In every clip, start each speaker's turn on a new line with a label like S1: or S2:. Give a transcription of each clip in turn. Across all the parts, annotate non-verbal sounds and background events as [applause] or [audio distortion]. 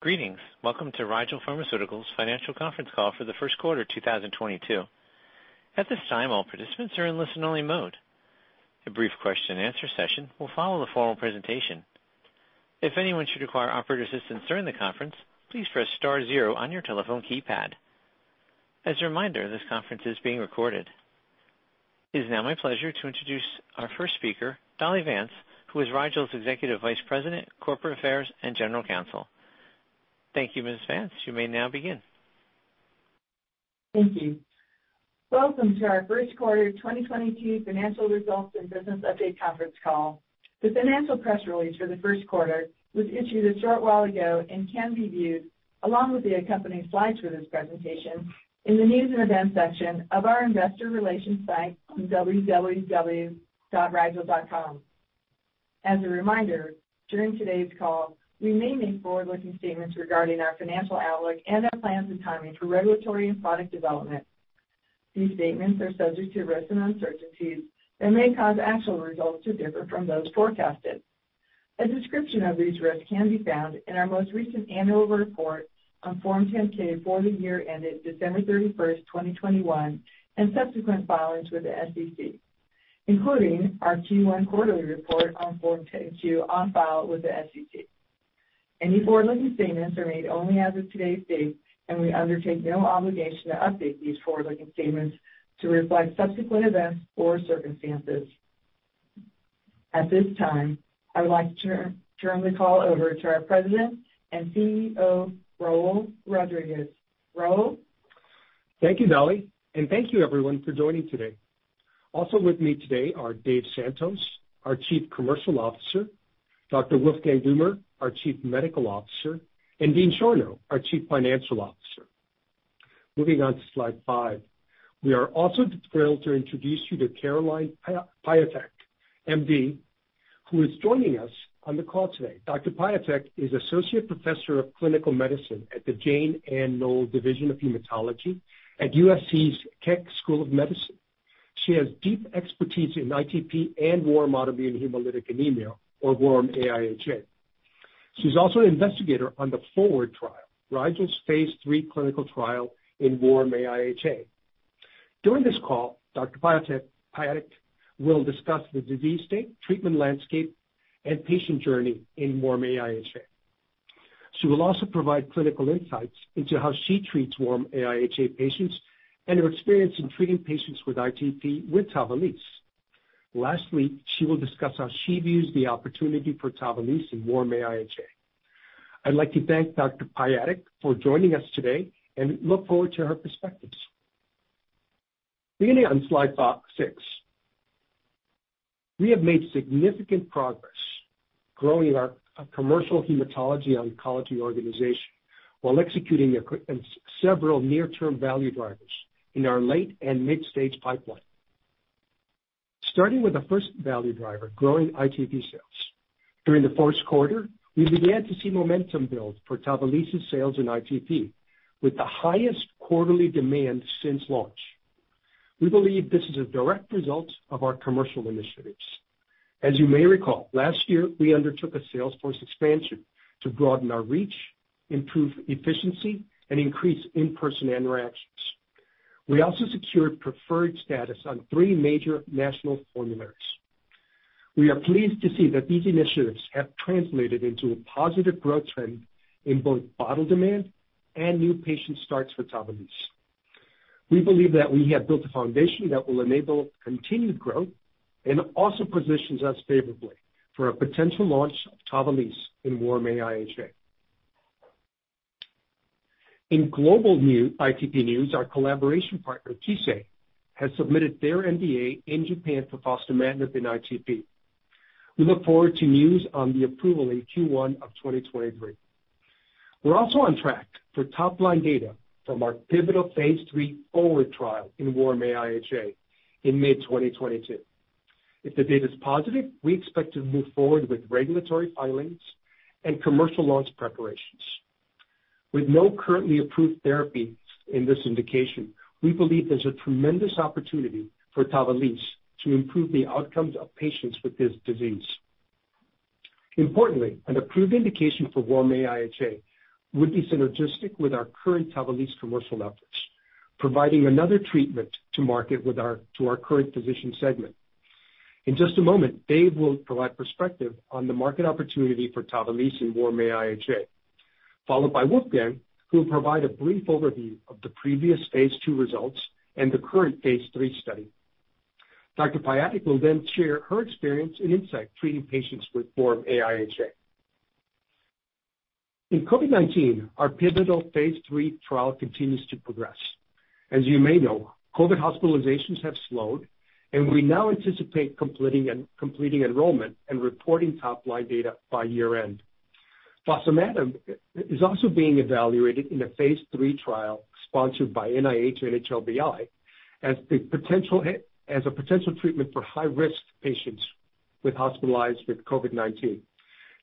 S1: Greetings. Welcome to Rigel Pharmaceuticals Financial Conference Call for the first quarter 2022. At this time, all participants are in listen-only mode. A brief question and answer session will follow the formal presentation. If anyone should require operator assistance during the conference, please press star zero on your telephone keypad. As a reminder, this conference is being recorded. It is now my pleasure to introduce our first speaker, Dolly Vance, who is Rigel's Executive Vice President, Corporate Affairs and General Counsel. Thank you, Ms. Vance. You may now begin.
S2: Thank you. Welcome to our first quarter 2022 financial results and business update conference call. The financial press release for the first quarter was issued a short while ago and can be viewed along with the accompanying slides for this presentation in the News & Events section of our investor relations site on www.rigel.com. As a reminder, during today's call, we may make forward-looking statements regarding our financial outlook and our plans and timing for regulatory and product development. These statements are subject to risks and uncertainties that may cause actual results to differ from those forecasted. A description of these risks can be found in our most recent annual report on Form 10-K for the year ended December 31st, 2021, and subsequent filings with the SEC, including our Q1 quarterly report on Form 10-Q on file with the SEC. Any forward-looking statements are made only as of today's date, and we undertake no obligation to update these forward-looking statements to reflect subsequent events or circumstances. At this time, I would like to turn the call over to our President and CEO, Raul Rodriguez. Raul?
S3: Thank you, Dolly, and thank you everyone for joining today. Also with me today are Dave Santos, our Chief Commercial Officer, Dr. Wolfgang Dummer, our Chief Medical Officer, and Dean Schorno, our Chief Financial Officer. Moving on to slide five. We are also thrilled to introduce you to Caroline Piatek, MD, who is joining us on the call today. Dr. Piatek is Associate Professor of Clinical Medicine at the Jane Anne Nohl Division of Hematology at USC's Keck School of Medicine. She has deep expertise in ITP and warm autoimmune hemolytic anemia, or Warm AIHA. She's also an investigator on the FORWARD trial, Rigel's Phase 3 clinical trial in Warm AIHA. During this call, Dr. Piatek will discuss the disease state, treatment landscape, and patient journey in Warm AIHA. She will also provide clinical insights into how she treats Warm AIHA patients and her experience in treating patients with ITP with TAVALISSE. Lastly, she will discuss how she views the opportunity for TAVALISSE in Warm AIHA. I'd like to thank Dr. Piatek for joining us today and look forward to her perspectives. Beginning on slide six. We have made significant progress growing our commercial hematology oncology organization while executing several near-term value drivers in our late and midstage pipeline. Starting with the first value driver, growing ITP sales. During the first quarter, we began to see momentum build for TAVALISSE's sales in ITP, with the highest quarterly demand since launch. We believe this is a direct result of our commercial initiatives. As you may recall, last year we undertook a salesforce expansion to broaden our reach, improve efficiency, and increase in-person interactions. We also secured preferred status on three major national formularies. We are pleased to see that these initiatives have translated into a positive growth trend in both bottle demand and new patient starts for TAVALISSE. We believe that we have built a foundation that will enable continued growth and also positions us favorably for a potential launch of TAVALISSE in Warm AIHA. In global ITP news, our collaboration partner, Kissei, has submitted their NDA in Japan for fostamatinib in ITP. We look forward to news on the approval in Q1 of 2023. We're also on track for top-line data from our pivotal Phase 3 FORWARD trial in Warm AIHA in mid-2022. If the data is positive, we expect to move forward with regulatory filings and commercial launch preparations. With no currently approved therapy in this indication, we believe there's a tremendous opportunity for TAVALISSE to improve the outcomes of patients with this disease. Importantly, an approved indication for Warm AIHA would be synergistic with our current TAVALISSE commercial efforts, providing another treatment to market with our current physician segment. In just a moment, Dave will provide perspective on the market opportunity for TAVALISSE in Warm AIHA, followed by Wolfgang, who will provide a brief overview of the previous Phase 2 results and the current Phase 3 study. Dr. Caroline Piatek will then share her experience and insight treating patients with warm AIHA. In COVID-19, our pivotal Phase 3 trial continues to progress. As you may know, COVID hospitalizations have slowed, and we now anticipate completing enrollment and reporting top-line data by year-end. Fostamatinib is also being evaluated in a Phase 3 trial sponsored by NIH and NHLBI as a potential treatment for high-risk patients hospitalized with COVID-19.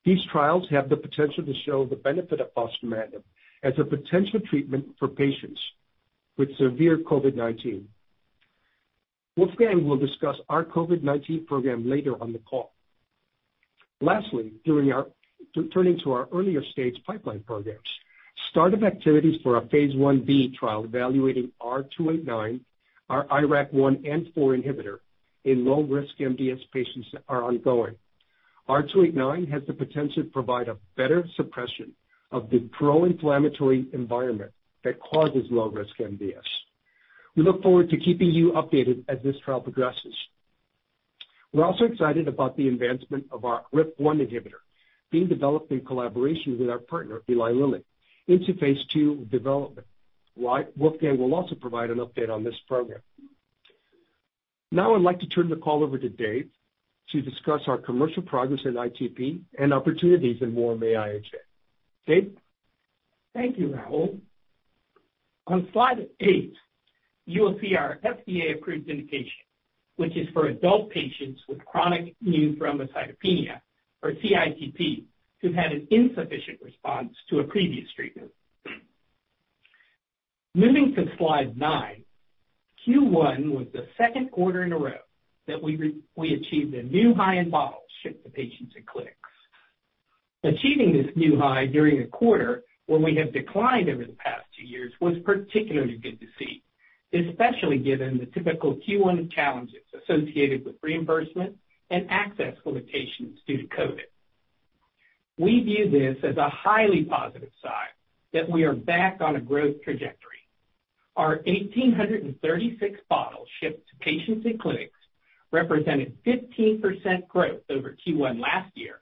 S3: These trials have the potential to show the benefit of fostamatinib as a potential treatment for patients with severe COVID-19. Wolfgang will discuss our COVID-19 program later on the call. Lastly, turning to our earlier-stage pipeline programs, start of activities for our Phase 1b trial evaluating R289, our IRAK1/4 inhibitor in low-risk MDS patients are ongoing. R289 has the potential to provide a better suppression of the pro-inflammatory environment that causes low-risk MDS. We look forward to keeping you updated as this trial progresses. We're also excited about the advancement of our RIP1 inhibitor being developed in collaboration with our partner, Eli Lilly, into Phase 2 development. Wolfgang will also provide an update on this program. Now I'd like to turn the call over to Dave to discuss our commercial progress in ITP and opportunities in Warm AIHA. Dave?
S4: Thank you, Raul. On slide eight, you will see our FDA-approved indication, which is for adult patients with chronic immune thrombocytopenia, or ITP, who've had an insufficient response to a previous treatment. Moving to slide nine, Q1 was the second quarter in a row that we achieved a new high in bottles shipped to patients in clinics. Achieving this new high during a quarter when we have declined over the past two years was particularly good to see, especially given the typical Q1 challenges associated with reimbursement and access limitations due to COVID. We view this as a highly positive sign that we are back on a growth trajectory. Our 1,836 bottles shipped to patients in clinics represented 15% growth over Q1 last year,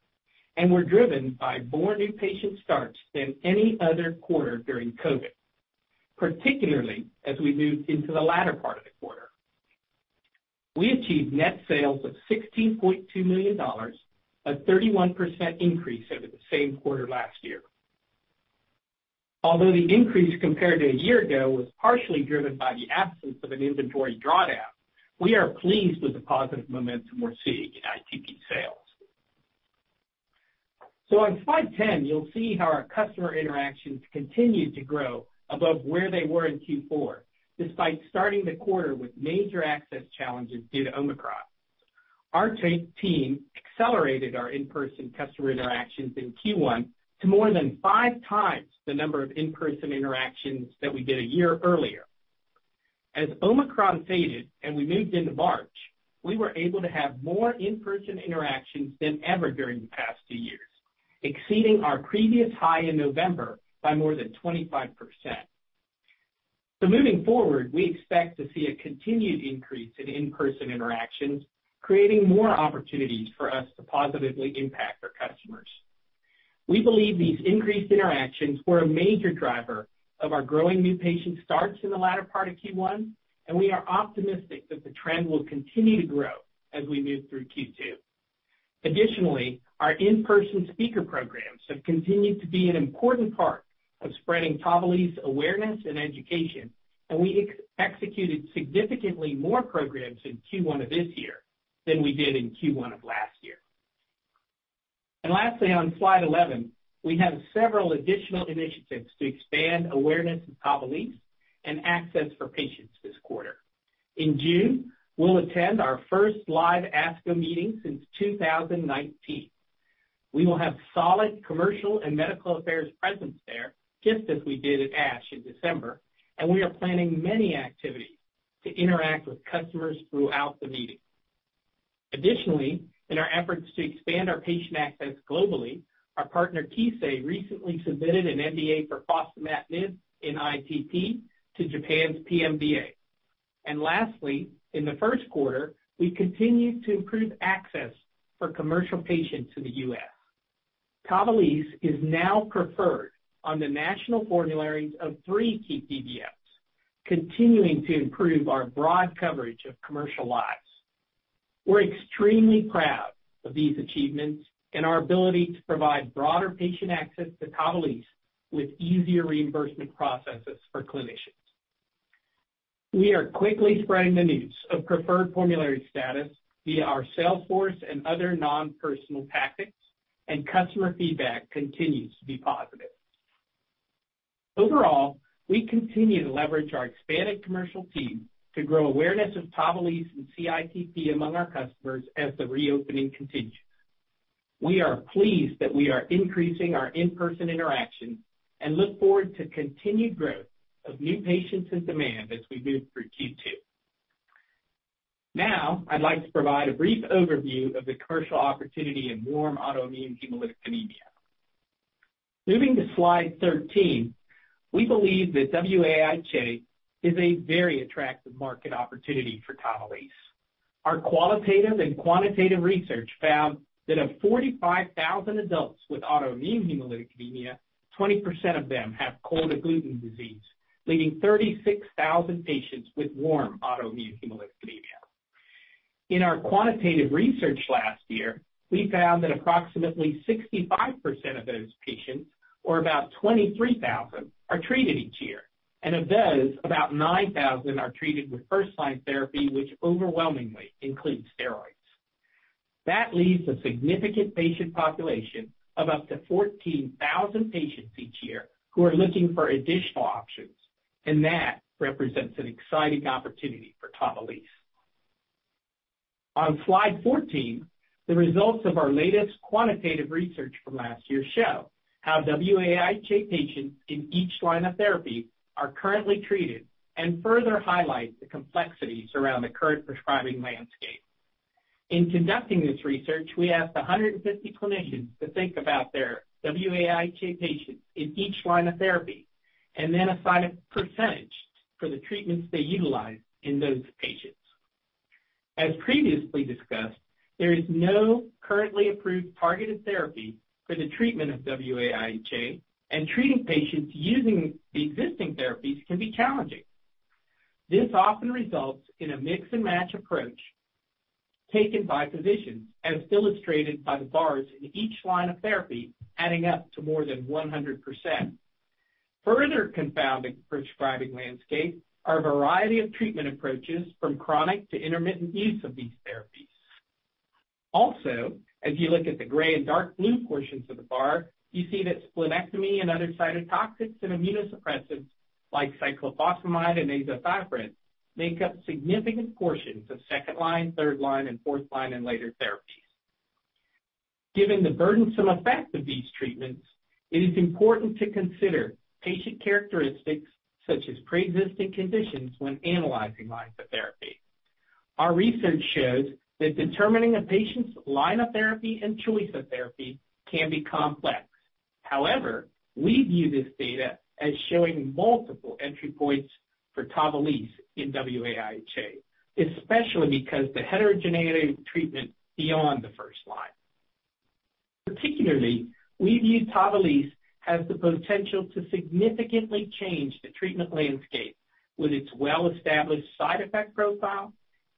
S4: and were driven by more new patient starts than any other quarter during COVID, particularly as we moved into the latter part of the quarter. We achieved net sales of $16.2 million, a 31% increase over the same quarter last year. Although the increase compared to a year ago was partially driven by the absence of an inventory drawdown, we are pleased with the positive momentum we're seeing in ITP sales. On slide 10, you'll see how our customer interactions continued to grow above where they were in Q4, despite starting the quarter with major access challenges due to Omicron. Our team accelerated our in-person customer interactions in Q1 to more than 5x the number of in-person interactions that we did a year earlier. As Omicron faded and we moved into March, we were able to have more in-person interactions than ever during the past two years, exceeding our previous high in November by more than 25%. Moving forward, we expect to see a continued increase in in-person interactions, creating more opportunities for us to positively impact our customers. We believe these increased interactions were a major driver of our growing new patient starts in the latter part of Q1, and we are optimistic that the trend will continue to grow as we move through Q2. Additionally, our in-person speaker programs have continued to be an important part of spreading TAVALISSE awareness and education, and we executed significantly more programs in Q1 of this year than we did in Q1 of last year. Lastly, on slide 11, we have several additional initiatives to expand awareness of TAVALISSE and access for patients this quarter. In June, we'll attend our first live ASCO meeting since 2019. We will have solid commercial and medical affairs presence there, just as we did at ASH in December, and we are planning many activities to interact with customers throughout the meeting. Additionally, in our efforts to expand our patient access globally, our partner, Kissei, recently submitted an NDA for fostamatinib in ITP to Japan's PMDA. Lastly, in the first quarter, we continued to improve access for commercial patients in the U.S. TAVALISSE is now preferred on the national formularies of three key PBMs, continuing to improve our broad coverage of commercial lives. We're extremely proud of these achievements and our ability to provide broader patient access to TAVALISSE with easier reimbursement processes for clinicians. We are quickly spreading the news of preferred formulary status via our sales force and other non-personal tactics, and customer feedback continues to be positive. Overall, we continue to leverage our expanded commercial team to grow awareness of TAVALISSE and CITP among our customers as the reopening continues. We are pleased that we are increasing our in-person interactions and look forward to continued growth of new patients and demand as we move through Q2. Now, I'd like to provide a brief overview of the commercial opportunity in warm autoimmune hemolytic anemia. Moving to slide 13, we believe that wAIHA is a very attractive market opportunity for TAVALISSE. Our qualitative and quantitative research found that of 45,000 adults with autoimmune hemolytic anemia, 20% of them have cold agglutinin disease, leaving 36,000 patients with warm autoimmune hemolytic anemia. In our quantitative research last year, we found that approximately 65% of those patients, or about 23,000, are treated each year. Of those, about 9,000 are treated with first-line therapy, which overwhelmingly includes steroids. That leaves a significant patient population of up to 14,000 patients each year who are looking for additional options, and that represents an exciting opportunity for TAVALISSE. On slide 14, the results of our latest quantitative research from last year show how wAIHA patients in each line of therapy are currently treated and further highlight the complexities around the current prescribing landscape. In conducting this research, we asked 150 clinicians to think about their wAIHA patients in each line of therapy and then assign a percentage for the treatments they utilize in those patients. As previously discussed, there is no currently approved targeted therapy for the treatment of wAIHA, and treating patients using the existing therapies can be challenging. This often results in a mix-and-match approach taken by physicians, as illustrated by the bars in each line of therapy, adding up to more than 100%. Further confounding prescribing landscape are a variety of treatment approaches from chronic to intermittent use of these therapies. Also, as you look at the gray and dark blue portions of the bar, you see that splenectomy and other cytotoxics and immunosuppressants like cyclophosphamide and azathioprine make up significant portions of second-line, third-line, and fourth-line, and later therapies. Given the burdensome effects of these treatments, it is important to consider patient characteristics such as preexisting conditions when analyzing lines of therapy. Our research shows that determining a patient's line of therapy and choice of therapy can be complex. However, we view this data as showing multiple entry points for TAVALISSE in wAIHA, especially because the heterogeneity of treatment beyond the first line. Particularly, we view TAVALISSE has the potential to significantly change the treatment landscape with its well-established side effect profile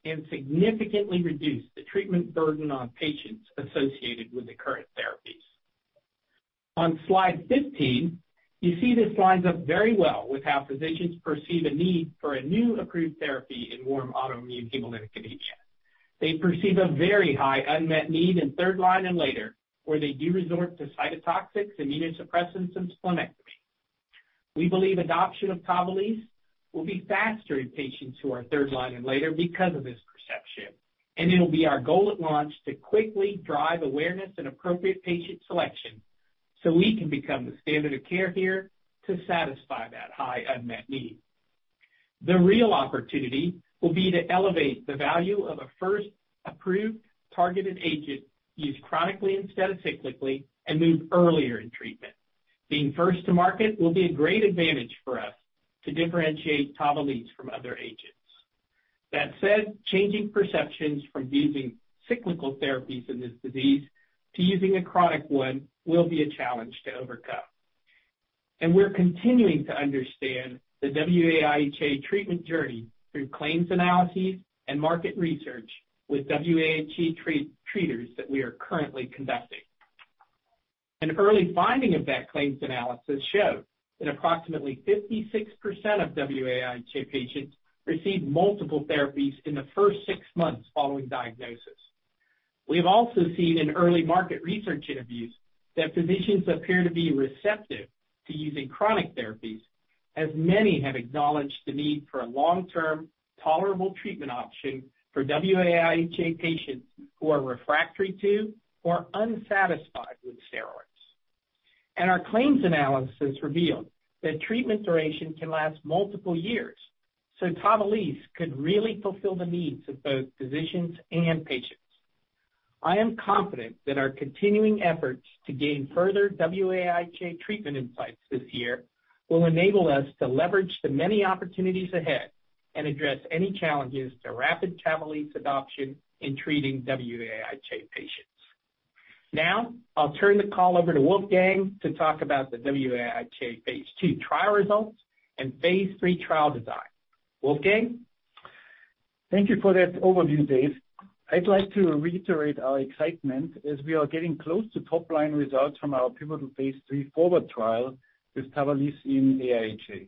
S4: and significantly reduce the treatment burden on patients associated with the current therapies. On slide 15, you see this lines up very well with how physicians perceive a need for a new approved therapy in warm autoimmune hemolytic anemia. They perceive a very high unmet need in third line and later, where they do resort to cytotoxics, immunosuppressants, and splenectomy. We believe adoption of TAVALISSE will be faster in patients who are third line and later because of this perception, and it'll be our goal at launch to quickly drive awareness and appropriate patient selection so we can become the standard of care here to satisfy that high unmet need. The real opportunity will be to elevate the value of a first approved targeted agent used chronically instead of cyclically and move earlier in treatment. Being first to market will be a great advantage for us to differentiate TAVALISSE from other agents. That said, changing perceptions from using cyclical therapies in this disease to using a chronic one will be a challenge to overcome. We're continuing to understand the wAIHA treatment journey through claims analyses and market research with wAIHA treaters that we are currently conducting. An early finding of that claims analysis showed that approximately 56% of wAIHA patients received multiple therapies in the first six months following diagnosis. We have also seen in early market research interviews that physicians appear to be receptive to using chronic therapies, as many have acknowledged the need for a long-term tolerable treatment option for wAIHA patients who are refractory to or unsatisfied with steroids. Our claims analysis revealed that treatment duration can last multiple years, so TAVALISSE could really fulfill the needs of both physicians and patients. I am confident that our continuing efforts to gain further wAIHA treatment insights this year will enable us to leverage the many opportunities ahead and address any challenges to rapid TAVALISSE adoption in treating wAIHA patients. Now, I'll turn the call over to Wolfgang to talk about the wAIHA Phase 2 trial results and Phase 3 trial design. Wolfgang?
S5: Thank you for that overview, Dave. I'd like to reiterate our excitement as we are getting close to top-line results from our pivotal Phase 3 FORWARD trial with TAVALISSE in AIHA.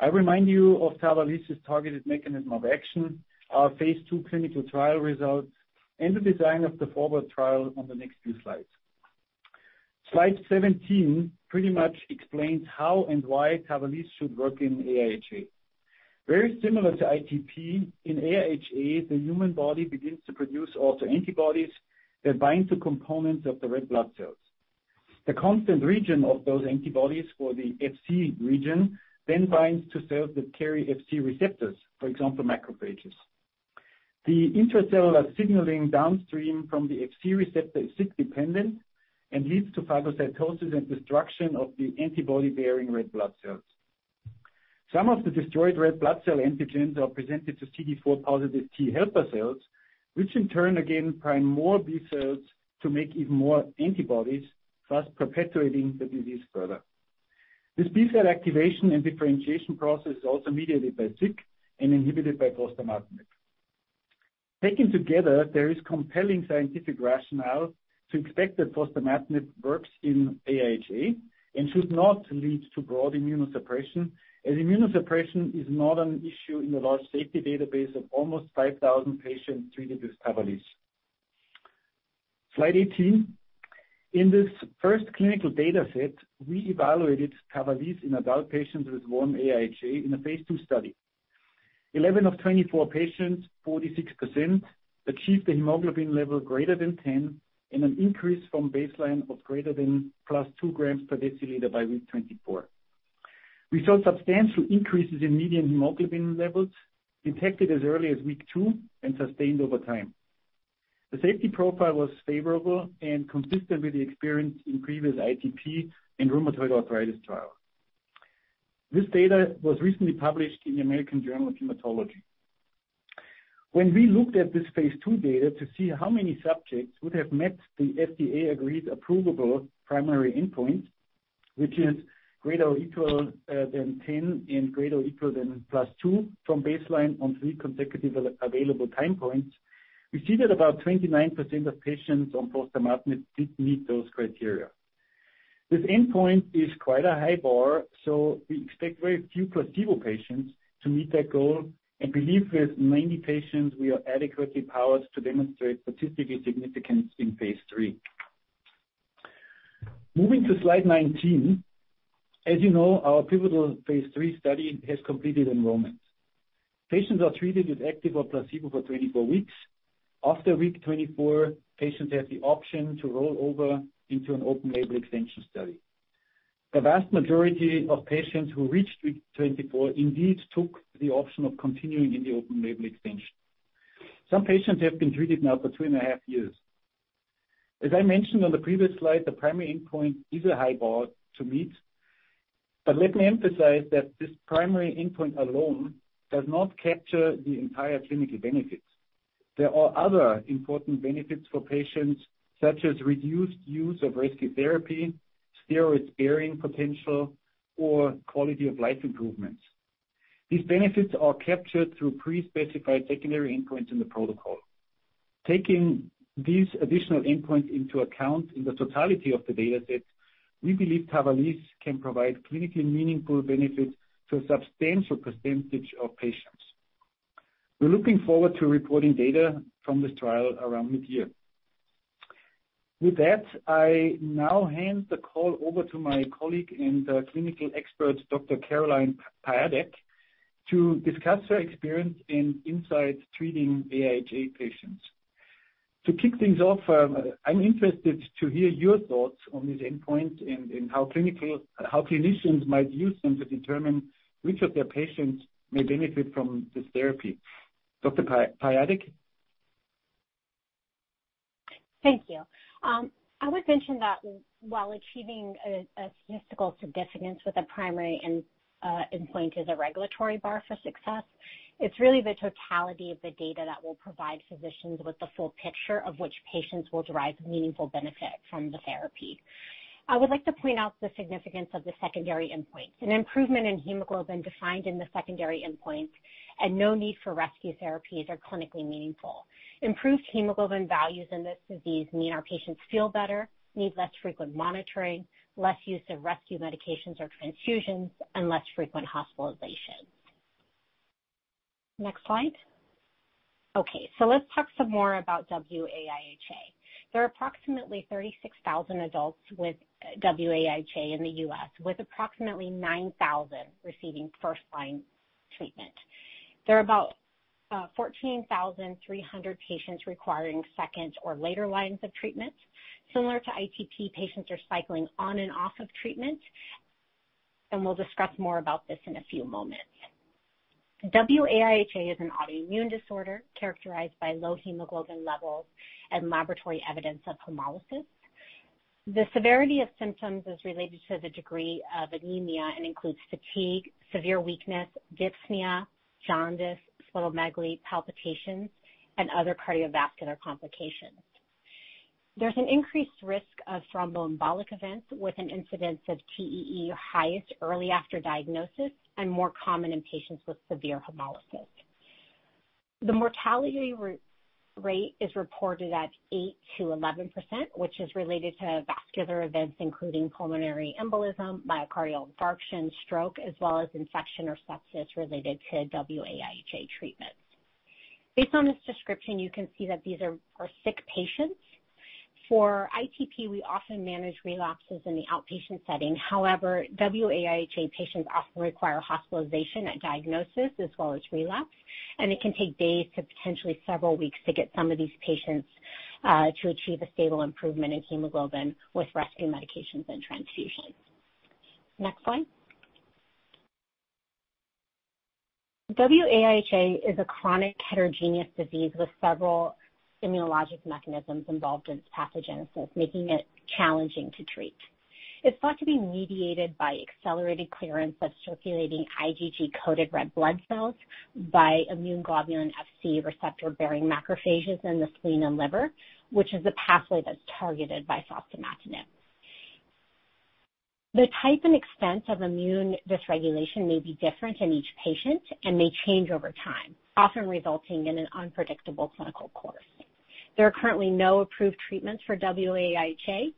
S5: I remind you of TAVALISSE's targeted mechanism of action, our Phase II clinical trial results, and the design of the FORWARD trial on the next few slides. Slide 17 pretty much explains how and why TAVALISSE should work in AIHA. Very similar to ITP, in AIHA, the human body begins to produce autoantibodies that bind to components of the red blood cells. The constant region of those antibodies or the Fc region then binds to cells that carry Fc receptors, for example, macrophages. The intracellular signaling downstream from the Fc receptor is SYK dependent and leads to phagocytosis and destruction of the antibody-bearing red blood cells. Some of the destroyed red blood cell antigens are presented to CD4 positive T helper cells, which in turn again prime more B cells to make even more antibodies, thus perpetuating the disease further. This B cell activation and differentiation process is also mediated by SYK and inhibited by fostamatinib. Taken together, there is compelling scientific rationale to expect that fostamatinib works in AIHA and should not lead to broad immunosuppression, as immunosuppression is not an issue in the large safety database of almost 5,000 patients treated with TAVALISSE. Slide 18. In this first clinical data set, we evaluated TAVALISSE in adult patients with warm AIHA in a Phase 2 study. 11 of 24 patients, 46%, achieved a hemoglobin level greater than 10 in an increase from baseline of greater than +2 grams per deciliter by week 24. We saw substantial increases in median hemoglobin levels detected as early as week two and sustained over time. The safety profile was favorable and consistent with the experience in previous ITP and rheumatoid arthritis trial. This data was recently published in the American Journal of Hematology. When we looked at this Phase 2 data to see how many subjects would have met the FDA agreed approvable primary endpoint, which is greater or equal than 10 and greater or equal than +2 from baseline on three consecutive available time points, we see that about 29% of patients on fostamatinib did meet those criteria. This endpoint is quite a high bar, so we expect very few placebo patients to meet that goal and believe with many patients we are adequately powered to demonstrate statistically significance in Phase 3. Moving to slide 19. As you know, our pivotal Phase 3 study has completed enrollment. Patients are treated with active or placebo for 24 weeks. After week 24, patients have the option to roll over into an open label extension study. The vast majority of patients who reached week 24 indeed took the option of continuing in the open label extension. Some patients have been treated now for 2.5 years. As I mentioned on the previous slide, the primary endpoint is a high bar to meet. Let me emphasize that this primary endpoint alone does not capture the entire clinical benefits. There are other important benefits for patients, such as reduced use of rescue therapy, steroid sparing potential, or quality of life improvements. These benefits are captured through pre-specified secondary endpoints in the protocol. Taking these additional endpoints into account in the totality of the data set, we believe TAVALISSE can provide clinically meaningful benefit to a substantial percentage of patients. We're looking forward to reporting data from this trial around mid-year. With that, I now hand the call over to my colleague and clinical expert, Dr. Caroline Piatek, to discuss her experience in treating AIHA patients. To kick things off, I'm interested to hear your thoughts on these endpoints and how clinicians might use them to determine which of their patients may benefit from this therapy. Dr. Piatek.
S6: Thank you. I would mention that while achieving a statistical significance with a primary end, endpoint is a regulatory bar for success, it's really the totality of the data that will provide physicians with the full picture of which patients will derive meaningful benefit from the therapy. I would like to point out the significance of the secondary endpoints. An improvement in hemoglobin defined in the secondary endpoints and no need for rescue therapies are clinically meaningful. Improved hemoglobin values in this disease mean our patients feel better, need less frequent monitoring, less use of rescue medications or transfusions, and less frequent hospitalizations. Next slide. Okay, so let's talk some more about wAIHA. There are approximately 36,000 adults with wAIHA in the U.S., with approximately 9,000 receiving first-line treatment. There are about 14,300 patients requiring second or later lines of treatment. Similar to ITP, patients are cycling on and off of treatment, and we'll discuss more about this in a few moments. wAIHA is an autoimmune disorder characterized by low hemoglobin levels and laboratory evidence of hemolysis. The severity of symptoms is related to the degree of anemia and includes fatigue, severe weakness, dyspnea, jaundice, splenomegaly, palpitations, and other cardiovascular complications. There's an increased risk of thromboembolic events with an incidence of TEE highest early after diagnosis and more common in patients with severe hemolysis. The mortality rate is reported at 8%-11%, which is related to vascular events including pulmonary embolism, myocardial infarction, stroke, as well as infection or sepsis related to wAIHA treatments. Based on this description, you can see that these are very sick patients. For ITP, we often manage relapses in the outpatient setting. However, wAIHA patients often require hospitalization at diagnosis as well as relapse, and it can take days to potentially several weeks to get some of these patients to achieve a stable improvement in hemoglobin with rescue medications and transfusions. Next slide. wAIHA is a chronic heterogeneous disease with several immunologic mechanisms involved in its pathogenesis, making it challenging to treat. It's thought to be mediated by accelerated clearance of circulating IgG-coated red blood cells by immune globulin Fc receptor-bearing macrophages in the spleen and liver, which is the pathway that's targeted by fostamatinib. The type and extent of immune dysregulation may be different in each patient and may change over time, often resulting in an unpredictable clinical course. There are currently no approved treatments for wAIHA.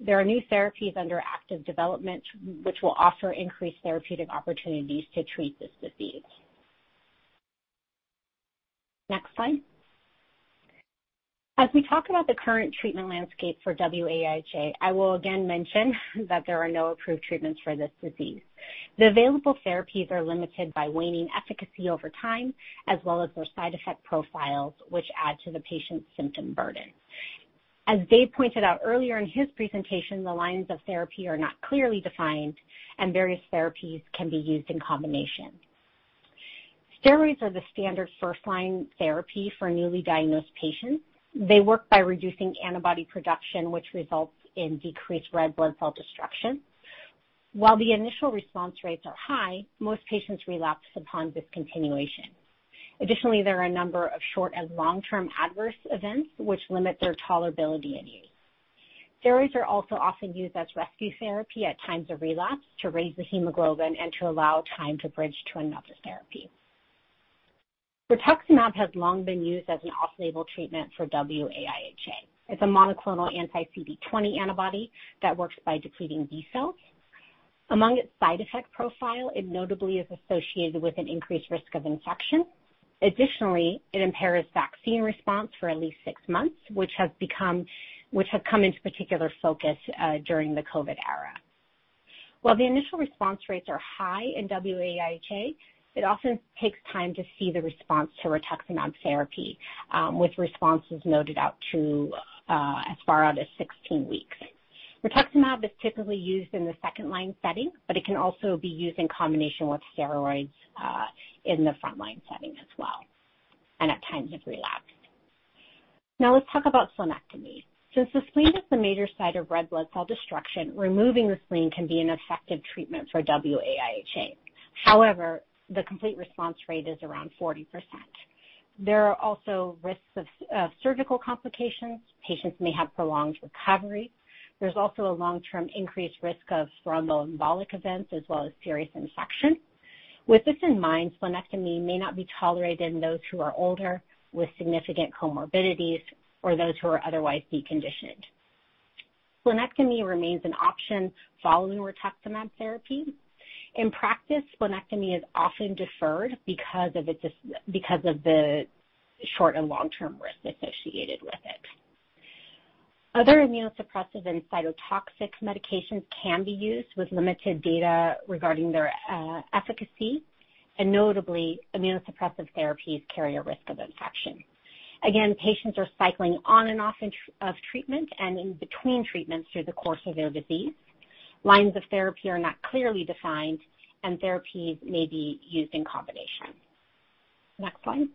S6: There are new therapies under active development which will offer increased therapeutic opportunities to treat this disease. Next slide. As we talk about the current treatment landscape for wAIHA, I will again mention that there are no approved treatments for this disease. The available therapies are limited by waning efficacy over time, as well as their side effect profiles, which add to the patient's symptom burden. As Dave pointed out earlier in his presentation, the lines of therapy are not clearly defined and various therapies can be used in combination. Steroids are the standard first-line therapy for newly diagnosed patients. They work by reducing antibody production, which results in decreased red blood cell destruction. While the initial response rates are high, most patients relapse upon discontinuation. Additionally, there are a number of short and long-term adverse events which limit their tolerability and use. Steroids are also often used as rescue therapy at times of relapse to raise the hemoglobin and to allow time to bridge to another therapy. Rituximab has long been used as an off-label treatment for wAIHA. It's a monoclonal anti-CD20 antibody that works by depleting B cells. Among its side effect profile, it notably is associated with an increased risk of infection. Additionally, it impairs vaccine response for at least six months, which have come into particular focus during the COVID era. While the initial response rates are high in wAIHA, it often takes time to see the response to rituximab therapy, with responses noted out to as far out as 16 weeks. Rituximab is typically used in the second-line setting, but it can also be used in combination with steroids in the front-line setting as well, and at times of relapse. Now let's talk about splenectomy. Since the spleen is the major site of red blood cell destruction, removing the spleen can be an effective treatment for wAIHA. However, the complete response rate is around 40%. There are also risks of surgical complications. Patients may have prolonged recovery. There's also a long-term increased risk of thromboembolic events as well as serious infection. With this in mind, splenectomy may not be tolerated in those who are older with significant comorbidities or those who are otherwise deconditioned. Splenectomy remains an option following rituximab therapy. In practice, splenectomy is often deferred because of the short and long-term risk associated with it. Other immunosuppressive and cytotoxic medications can be used with limited data regarding their efficacy, and notably, immunosuppressive therapies carry a risk of infection. Patients are cycling on and off treatment and in between treatments through the course of their disease. Lines of therapy are not clearly defined, and therapies may be used in combination. Next slide.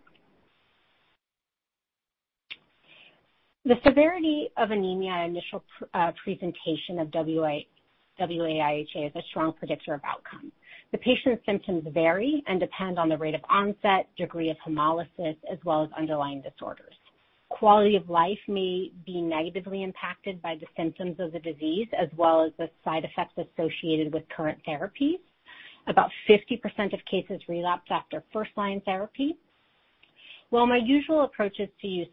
S6: The severity of anemia initial presentation of wAIHA is a strong predictor of outcome. The patient's symptoms vary and depend on the rate of onset, degree of hemolysis, as well as underlying disorders. Quality of life may be negatively impacted by the symptoms of the disease, as well as the side effects associated with current therapies. About 50% of cases relapse after first-line therapy. While my usual approach is to use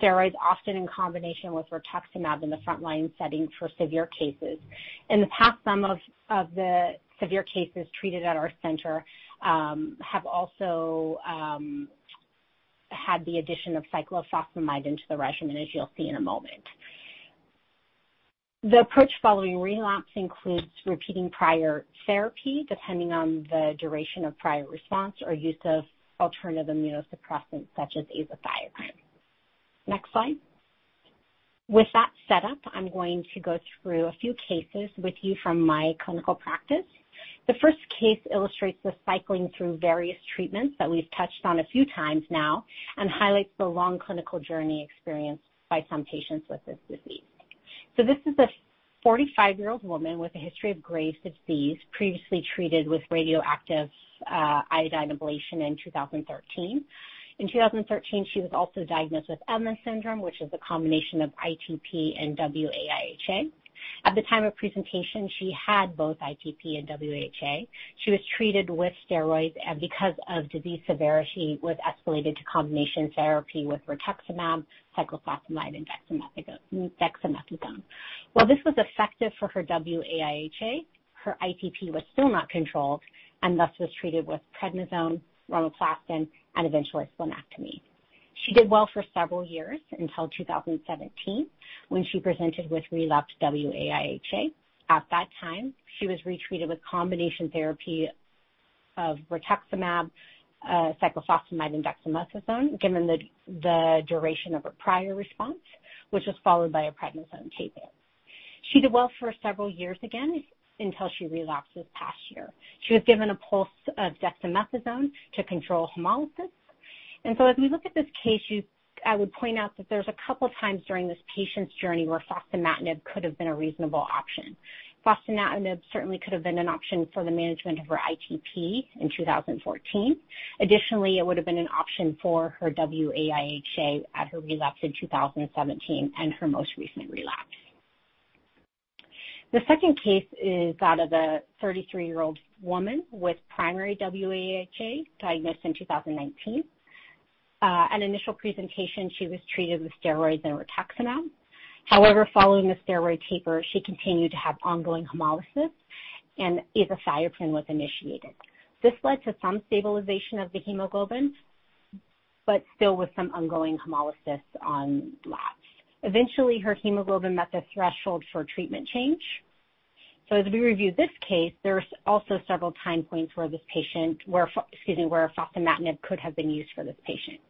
S6: steroids, often in combination with rituximab in the front line setting for severe cases. In the past, some of the severe cases treated at our center have also had the addition of cyclophosphamide into the regimen, as you'll see in a moment. The approach following relapse includes repeating prior therapy, depending on the duration of prior response or use of alternative immunosuppressants such as azathioprine. Next slide. With that set up, I'm going to go through a few cases with you from my clinical practice. The first case illustrates the cycling through various treatments that we've touched on a few times now and highlights the long clinical journey experienced by some patients with this disease. This is a 45-year-old woman with a history of Graves' disease, previously treated with radioactive iodine ablation in 2013. In 2013, she was also diagnosed with Evans syndrome, which is a combination of ITP and wAIHA. At the time of presentation, she had both ITP and wAIHA. She was treated with steroids, and because of disease severity, was escalated to combination therapy with rituximab, cyclophosphamide, and dexamethasone. While this was effective for her wAIHA, her ITP was still not controlled and thus was treated with prednisone, romiplostim, and eventually splenectomy. She did well for several years until 2017, when she presented with relapsed wAIHA. At that time, she was retreated with combination therapy of rituximab, cyclophosphamide, and dexamethasone, given the duration of her prior response, which was followed by a prednisone taper. She did well for several years again until she relapsed this past year. She was given a pulse of dexamethasone to control hemolysis. As we look at this case, I would point out that there's a couple times during this patient's journey where fostamatinib could have been a reasonable option. Fostamatinib certainly could have been an option for the management of her ITP in 2014. Additionally, it would have been an option for her wAIHA at her relapse in 2017 and her most recent relapse. The second case is that of a 33-year-old woman with primary wAIHA, diagnosed in 2019. At initial presentation, she was treated with steroids and rituximab. However, following the steroid taper, she continued to have ongoing hemolysis. Azathioprine was initiated. This led to some stabilization of the hemoglobin, but still with some ongoing hemolysis on labs. Eventually, her hemoglobin met the threshold for treatment change. As we review this case, there's also several time points where fostamatinib could have been used for this patient.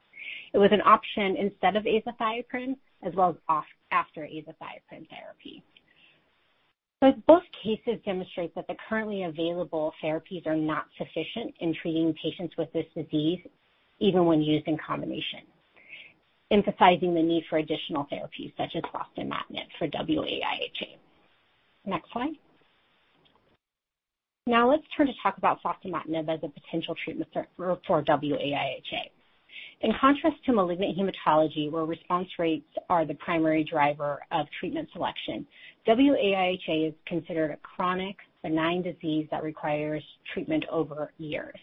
S6: It was an option instead of azathioprine, as well as after azathioprine therapy. Both cases demonstrate that the currently available therapies are not sufficient in treating patients with this disease, even when used in combination, emphasizing the need for additional therapies such as fostamatinib for wAIHA. Next slide. Now let's turn to talk about fostamatinib as a potential treatment for wAIHA. In contrast to malignant hematology, where response rates are the primary driver of treatment selection, wAIHA is considered a chronic benign disease that requires treatment over years.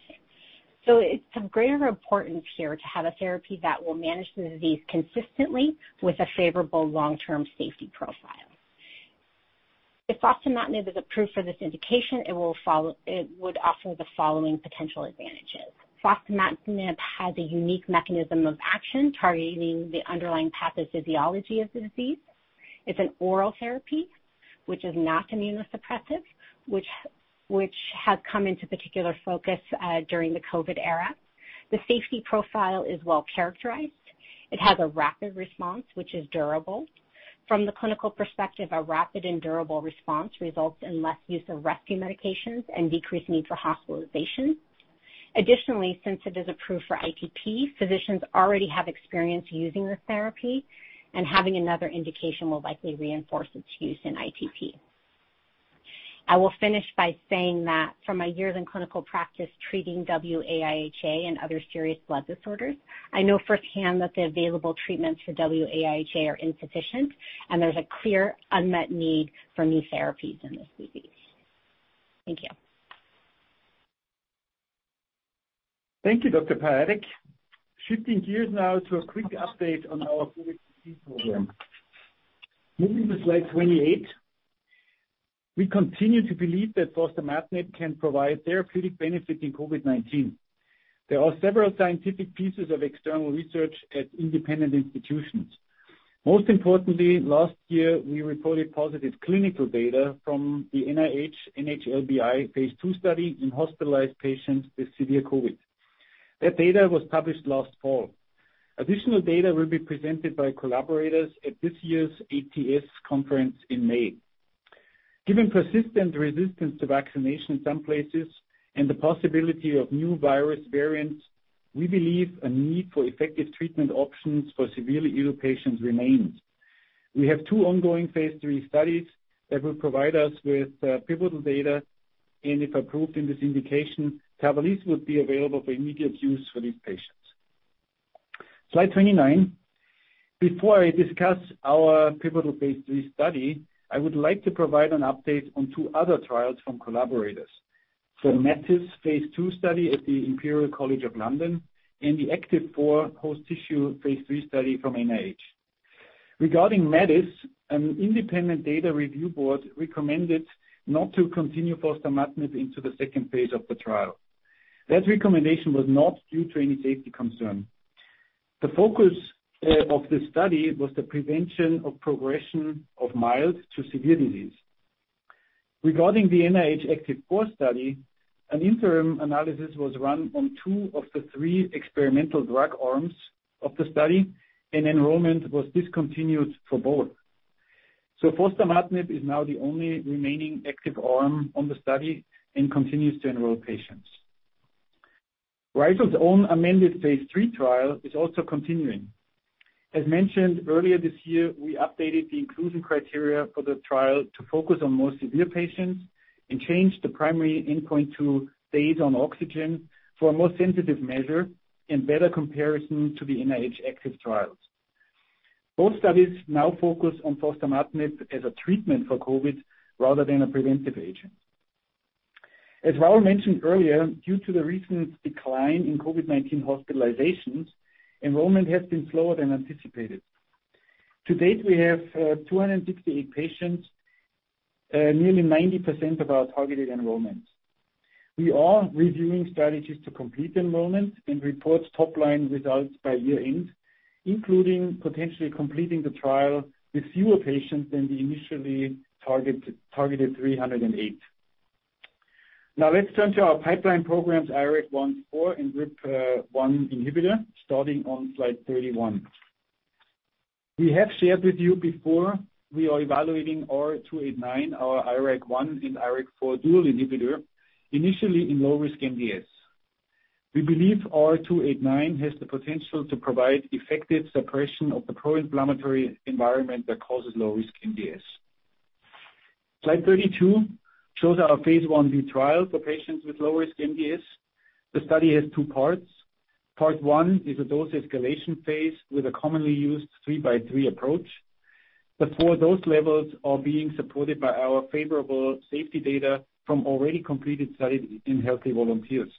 S6: It's of greater importance here to have a therapy that will manage the disease consistently with a favorable long-term safety profile. If fostamatinib is approved for this indication, it would offer the following potential advantages. Fostamatinib has a unique mechanism of action targeting the underlying pathophysiology of the disease. It's an oral therapy, which is not immunosuppressive, which has come into particular focus during the COVID era. The safety profile is well-characterized. It has a rapid response, which is durable. From the clinical perspective, a rapid and durable response results in less use of rescue medications and decreased need for hospitalization. Additionally, since it is approved for ITP, physicians already have experience using the therapy, and having another indication will likely reinforce its use in ITP. I will finish by saying that from my years in clinical practice treating wAIHA and other serious blood disorders, I know firsthand that the available treatments for wAIHA are insufficient, and there's a clear unmet need for new therapies in this disease. Thank you.
S5: Thank you, Dr. Piatek. Shifting gears now to a quick update on our COVID disease program. Moving to slide 28. We continue to believe that fostamatinib can provide therapeutic benefit in COVID-19. There are several scientific pieces of external research at independent institutions. Most importantly, last year, we reported positive clinical data from the NIH/NHLBI Phase 2 study in hospitalized patients with severe COVID. That data was published last fall. Additional data will be presented by collaborators at this year's ATS conference in May. Given persistent resistance to vaccination in some places and the possibility of new virus variants, we believe a need for effective treatment options for severely ill patients remains. We have two ongoing Phase 3 studies that will provide us with pivotal data, and if approved in this indication, TAVALISSE would be available for immediate use for these patients. Slide 29. Before I discuss our pivotal Phase 3 study, I would like to provide an update on two other trials from collaborators. The MATIS Phase 2 study at Imperial College London and the ACTIV-4 Host Tissue Phase 3 study from NIH. Regarding MATIS, an independent data review board recommended not to continue fostamatinib into the second Phase of the trial. That recommendation was not due to any safety concern. The focus of this study was the prevention of progression of mild to severe disease. Regarding the NIH ACTIV-4 Host Tissue study, an interim analysis was run on two of the three experimental drug arms of the study, and enrollment was discontinued for both. Fostamatinib is now the only remaining active arm on the study and continues to enroll patients. Rigel's own amended Phase 3 trial is also continuing. As mentioned earlier this year, we updated the inclusion criteria for the trial to focus on more severe patients and changed the primary endpoint to days on oxygen for a more sensitive measure and better comparison to the NIH ACTIV trials. Both studies now focus on fostamatinib as a treatment for COVID rather than a preventive agent. As Raul mentioned earlier, due to the recent decline in COVID-19 hospitalizations, enrollment has been slower than anticipated. To date, we have 268 patients, nearly 90% of our targeted enrollment. We are reviewing strategies to complete enrollment and report top-line results by year-end, including potentially completing the trial with fewer patients than the initially targeted 308. Now let's turn to our pipeline programs IRAK1/4 and RIP1 inhibitor, starting on slide 31. We have shared with you before we are evaluating R289, our IRAK1 and IRAK4 dual inhibitor, initially in low-risk MDS. We believe R289 has the potential to provide effective suppression of the pro-inflammatory environment that causes low-risk MDS. Slide 32 shows our Phase 1b trial for patients with low-risk MDS. The study has two parts. Part one is a dose escalation Phase with a commonly used 3-by-3 approach, but for those levels are being supported by our favorable safety data from already completed studies in healthy volunteers.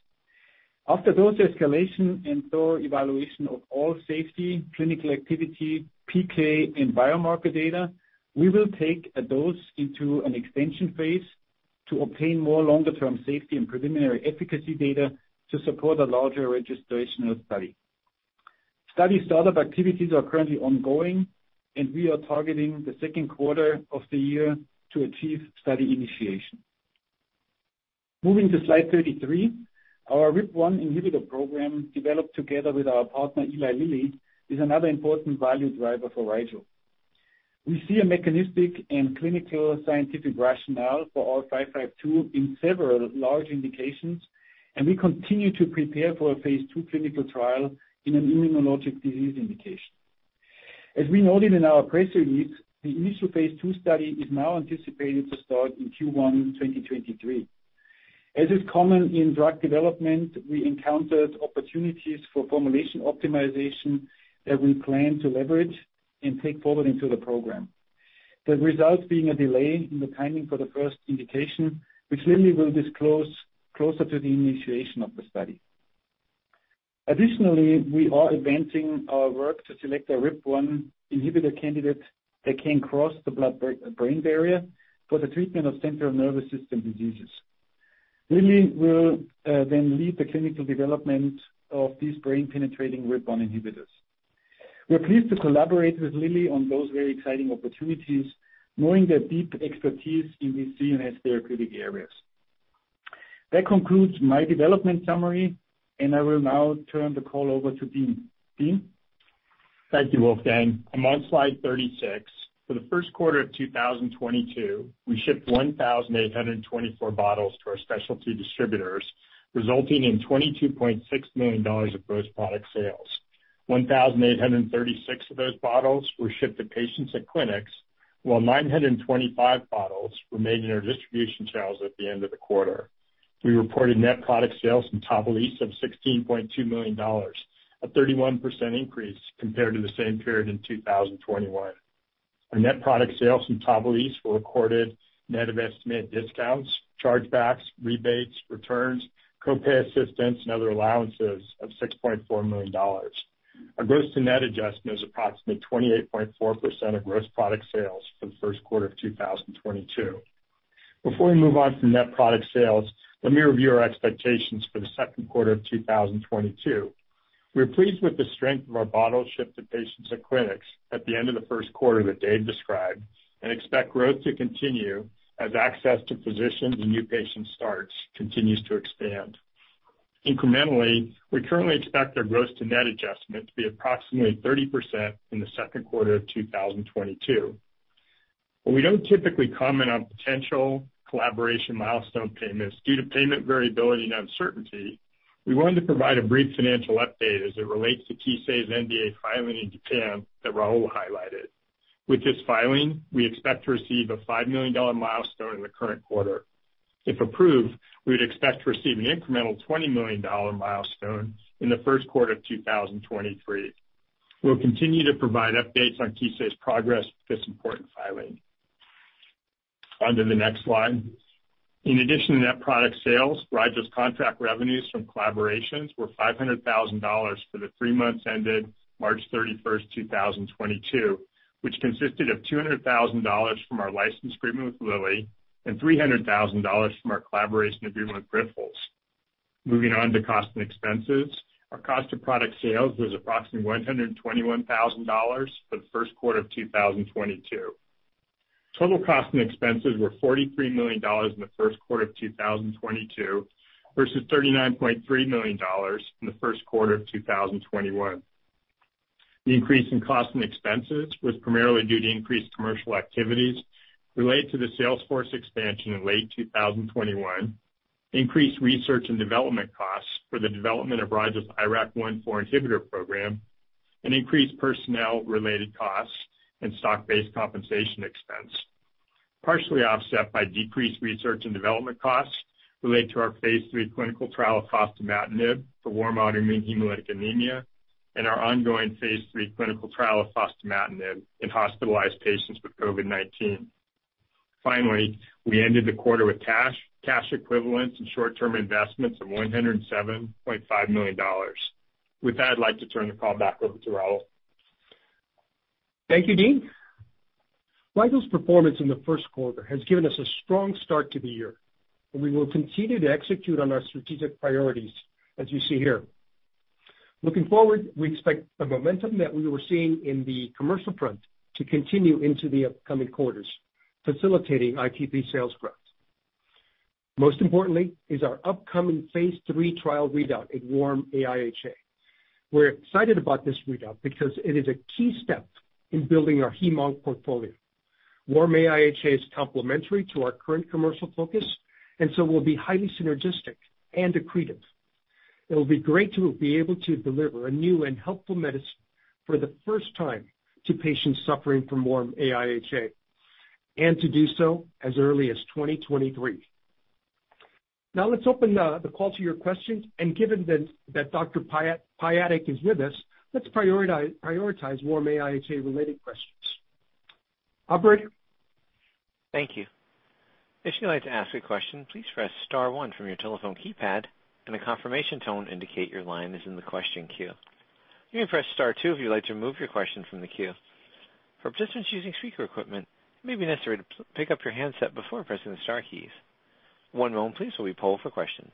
S5: After dose escalation and thorough evaluation of all safety, clinical activity, PK, and biomarker data, we will take a dose into an extension Phase to obtain more longer-term safety and preliminary efficacy data to support a larger registrational study. Study startup activities are currently ongoing, and we are targeting the second quarter of the year to achieve study initiation. Moving to slide 33, our RIP1 inhibitor program, developed together with our partner, Eli Lilly, is another important value driver for Rigel. We see a mechanistic and clinical scientific rationale for R552 in several large indications, and we continue to prepare for a Phase 2 clinical trial in an immunologic disease indication. As we noted in our press release, the initial Phase 2 study is now anticipated to start in Q1 2023. As is common in drug development, we encountered opportunities for formulation optimization that we plan to leverage and take forward into the program. The results being a delay in the timing for the first indication, which Lilly will disclose closer to the initiation of the study. Additionally, we are advancing our work to select a RIP1 inhibitor candidate that can cross the blood-brain barrier for the treatment of central nervous system diseases. Lilly will then lead the clinical development of these brain-penetrating RIP1 inhibitors. We are pleased to collaborate with Lilly on those very exciting opportunities, knowing their deep expertise in these CNS therapeutic areas. That concludes my development summary, and I will now turn the call over to Dean. Dean?
S7: Thank you, Wolfgang. I'm on slide 36. For the first quarter of 2022, we shipped 1,824 bottles to our specialty distributors, resulting in $22.6 million of gross product sales. 1,836 of those bottles were shipped to patients at clinics, while 925 bottles were made in our distribution channels at the end of the quarter. We reported net product sales from TAVALISSE of $16.2 million, a 31% increase compared to the same period in 2021. Our net product sales from TAVALISSE were recorded net of estimated discounts, chargebacks, rebates, returns, co-pay assistance, and other allowances of $6.4 million. Our gross to net adjustment is approximately 28.4% of gross product sales for the first quarter of 2022. Before we move on to net product sales, let me review our expectations for the second quarter of 2022. We are pleased with the strength of our bottles shipped to patients at clinics at the end of the first quarter that Dave described, and expect growth to continue as access to physicians and new patient starts continues to expand. Incrementally, we currently expect our gross to net adjustment to be approximately 30% in the second quarter of 2022. While we don't typically comment on potential collaboration milestone payments due to payment variability and uncertainty, we wanted to provide a brief financial update as it relates to Kissei's NDA filing in Japan that Raul highlighted. With this filing, we expect to receive a $5 million milestone in the current quarter. If approved, we'd expect to receive an incremental $20 million milestone in the first quarter of 2023. We'll continue to provide updates on Kissei's progress with this important filing. On to the next slide. In addition to net product sales, Rigel's contract revenues from collaborations were $500,000 for the three months ended March 31st, 2022, which consisted of $200,000 from our license agreement with Lilly and $300,000 from our collaboration agreement with Grifols. Moving on to cost and expenses. Our cost of product sales was approximately $121,000 for the first quarter of 2022. Total cost and expenses were $43 million in the first quarter of 2022 versus $39.3 million in the first quarter of 2021. The increase in cost and expenses was primarily due to increased commercial activities related to the sales force expansion in late 2021, increased research and development costs for the development of Rigel's IRAK1/4 inhibitor program, and increased personnel-related costs and stock-based compensation expense. Partially offset by decreased research and development costs related to our Phase 3 clinical trial of fostamatinib for warm autoimmune hemolytic anemia, and our ongoing Phase 3 clinical trial of fostamatinib in hospitalized patients with COVID-19. Finally, we ended the quarter with cash equivalents, and short-term investments of $107.5 million. With that, I'd like to turn the call back over to Raul.
S3: Thank you, Dean. Rigel's performance in the first quarter has given us a strong start to the year, and we will continue to execute on our strategic priorities, as you see here. Looking forward, we expect the momentum that we were seeing in the commercial front to continue into the upcoming quarters, facilitating ITP sales growth. Most importantly is our upcoming Phase 3 trial readout at Warm AIHA. We're excited about this readout because it is a key step in building our hem/onc portfolio. Warm AIHA is complementary to our current commercial focus, and so will be highly synergistic and accretive. It'll be great to be able to deliver a new and helpful medicine for the first time to patients suffering from Warm AIHA, and to do so as early as 2023. Now let's open the call to your questions, and given that Dr. Piatek is with us. Let's prioritize warm AIHA related questions. Operator?
S1: Thank you. If you'd like to ask a question, please press star one from your telephone keypad, and a confirmation tone indicate your line is in the question queue. You may press star two if you'd like to remove your question from the queue. For participants using speaker equipment, it may be necessary to pick up your handset before pressing the star keys. One moment please, while we poll for questions.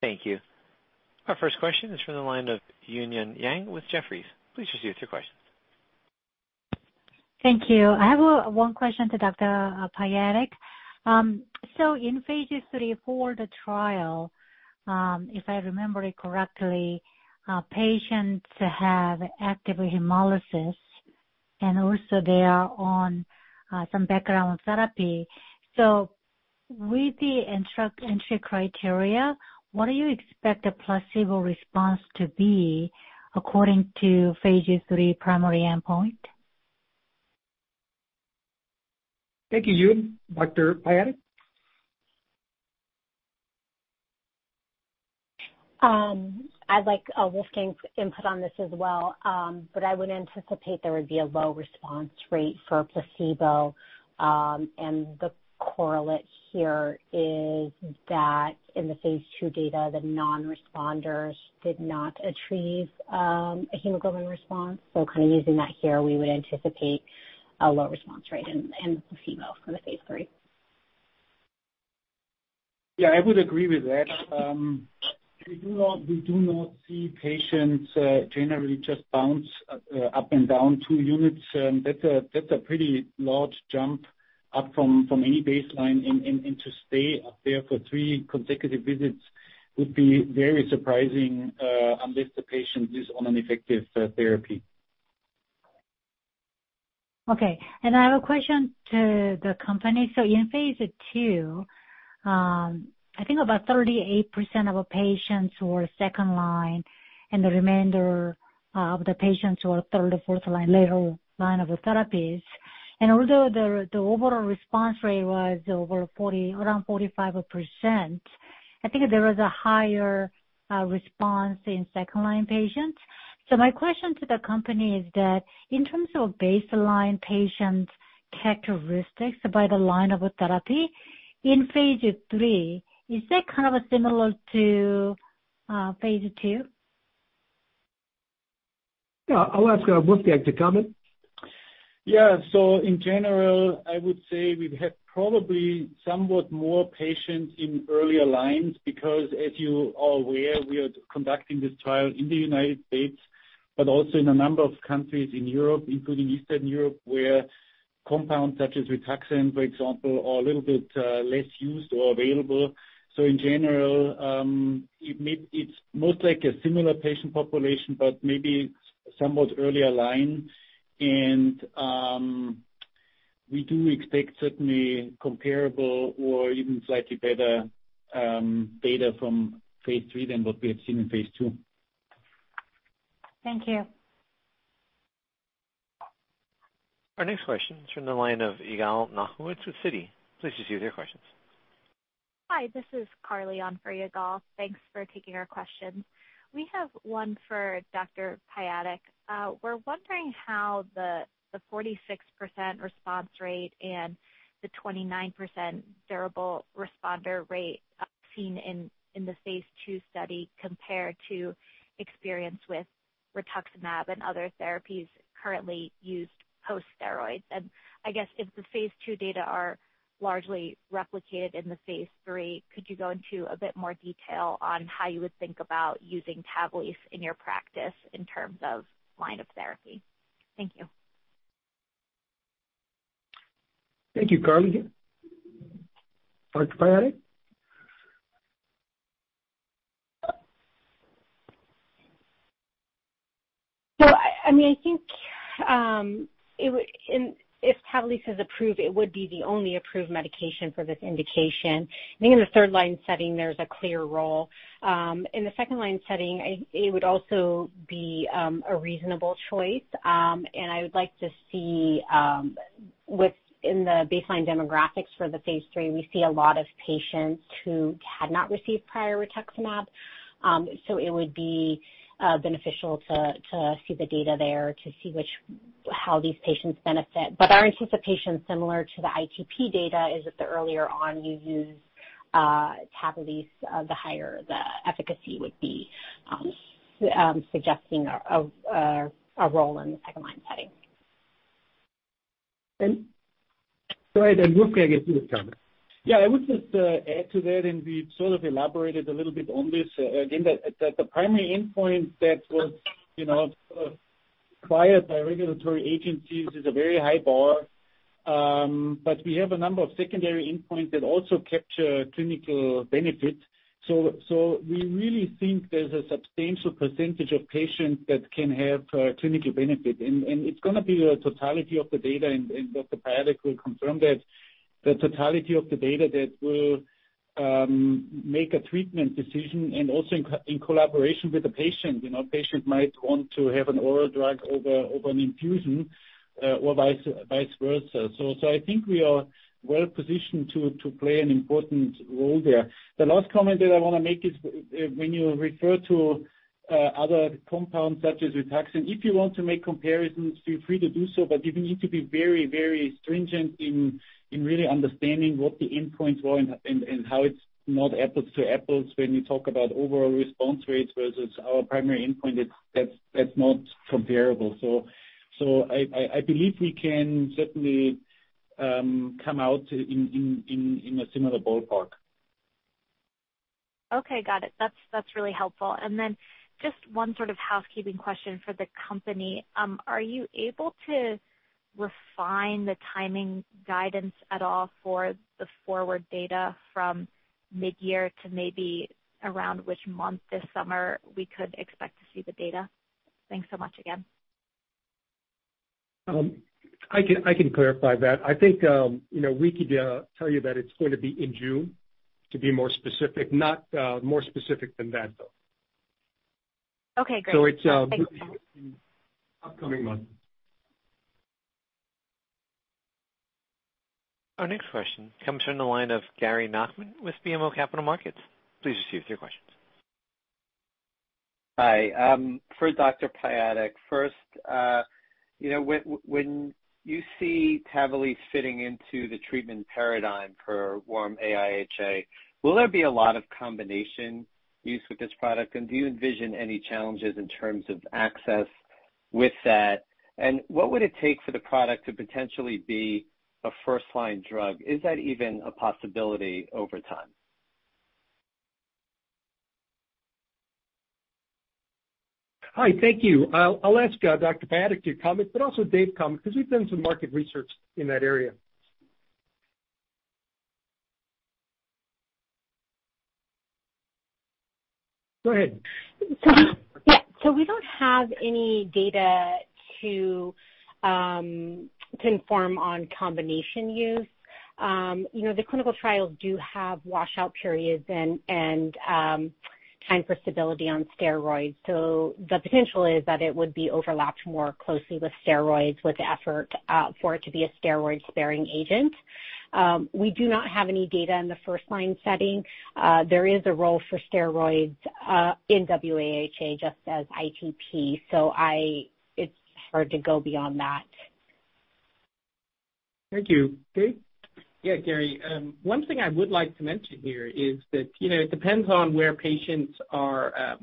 S1: Thank you. Our first question is from the line of Eun Yang with Jefferies. Please proceed with your question.
S8: Thank you. I have one question to Dr. Piatek. In Phase 3 for the trial, if I remember it correctly, patients have active hemolysis, and also they are on some background therapy. With the strict entry criteria, what do you expect a placebo response to be according to Phase 3 primary endpoint?
S3: Thank you, Eun. Dr. Piatek?
S6: I'd like Wolfgang's input on this as well, but I would anticipate there would be a low response rate for placebo. The correlate here is that in the Phase 2 data, the non-responders did not achieve a hemoglobin response. Kind of using that here, we would anticipate a low response rate in placebo for the Phase 3.
S5: Yeah, I would agree with that. We do not see patients generally just bounce up and down two units. That's a pretty large jump up from any baseline and to stay up there for three consecutive visits would be very surprising unless the patient is on an effective therapy.
S8: Okay. I have a question to the company. In Phase 2, I think about 38% of our patients were second line, and the remainder of the patients were third or fourth line, later line of therapies. Although the overall response rate was over 40%, around 45%, I think there was a higher response in second line patients. My question to the company is that in terms of baseline patient characteristics by the line of therapy in Phase 3, is that kind of similar to Phase 2?
S3: Yeah, I'll ask Wolfgang to comment.
S5: Yeah. In general, I would say we've had probably somewhat more patients in earlier lines because as you are aware, we are conducting this trial in the United States, but also in a number of countries in Europe, including Eastern Europe, where compounds such as Rituxan, for example, are a little bit less used or available. In general, it's most like a similar patient population, but maybe somewhat earlier line. We do expect certainly comparable or even slightly better data from Phase three than what we have seen in Phase 2.
S8: Thank you.
S1: Our next question is from the line of Yigal Nochomovitz with Citi. Please proceed with your questions.
S9: Hi, this is Carly on for Yigal. Thanks for taking our questions. We have one for Dr. Piatek. We're wondering how the 46% response rate and the 29% durable responder rate seen in the Phase 2 study compared to experience with rituximab and other therapies currently used post-steroids? I guess if the Phase 2 data are largely replicated in the Phase 3, could you go into a bit more detail on how you would think about using TAVALISSE in your practice in terms of line of therapy? Thank you.
S3: Thank you, Carly. Dr. Piatek?
S6: I think if TAVALISSE is approved, it would be the only approved medication for this indication. I think in the third line setting, there's a clear role. In the second line setting, it would also be a reasonable choice. I would like to see within the baseline demographics for the Phase 3, we see a lot of patients who had not received prior rituximab. It would be beneficial to see the data there to see how these patients benefit. Our anticipation similar to the ITP data is that the earlier on you use TAVALISSE, the higher the efficacy would be, suggesting a role in the second line setting.
S3: Go ahead and Wolfgang, if you would comment.
S5: Yeah. I would just add to that, and we've sort of elaborated a little bit on this. Again, the primary endpoint that was, you know, required by regulatory agencies is a very high bar. We have a number of secondary endpoints that also capture clinical benefit. We really think there's a substantial percentage of patients that can have clinical benefit. It's gonna be the totality of the data, and Dr. Piatek will confirm that the totality of the data that will. Make a treatment decision and also in collaboration with the patient. You know, patient might want to have an oral drug over an infusion, or vice versa. I think we are well-positioned to play an important role there. The last comment that I wanna make is when you refer to other compounds such as Rituxan, if you want to make comparisons, feel free to do so, but you need to be very stringent in really understanding what the endpoints were and how it's not apples to apples when you talk about overall response rates versus our primary endpoint. That's not comparable. I believe we can certainly come out in a similar ballpark.
S9: Okay, got it. That's really helpful. Just one sort of housekeeping question for the company. Are you able to refine the timing guidance at all for the FORWARD data from midyear to maybe around which month this summer we could expect to see the data? Thanks so much again.
S3: I can clarify that. I think, you know, we could tell you that it's going to be in June, to be more specific, not more specific than that though.
S9: Okay, great.
S3: It's.
S9: Thanks.
S3: Upcoming months.
S1: Our next question comes from the line of Gary Nachman with BMO Capital Markets. Please proceed with your questions.
S10: Hi. For Dr. Piatek, first, you know, when you see TAVALISSE fitting into the treatment paradigm for warm AIHA, will there be a lot of combination use with this product? Do you envision any challenges in terms of access with that? What would it take for the product to potentially be a first-line drug? Is that even a possibility over time?
S3: Hi, thank you. I'll ask Dr. Piatek to comment, but also Dave comment, 'cause we've done some market research in that area. Go ahead.
S6: Yeah, we don't have any data to inform on combination use. You know, the clinical trials do have washout periods and time for stability on steroids. The potential is that it would be overlapped more closely with steroids with the effort for it to be a steroid-sparing agent. We do not have any data in the first-line setting. There is a role for steroids in wAIHA just as ITP. It's hard to go beyond that.
S3: Thank you. Dave?
S4: Yeah, Gary. One thing I would like to mention here is that, you know, it depends on where patients are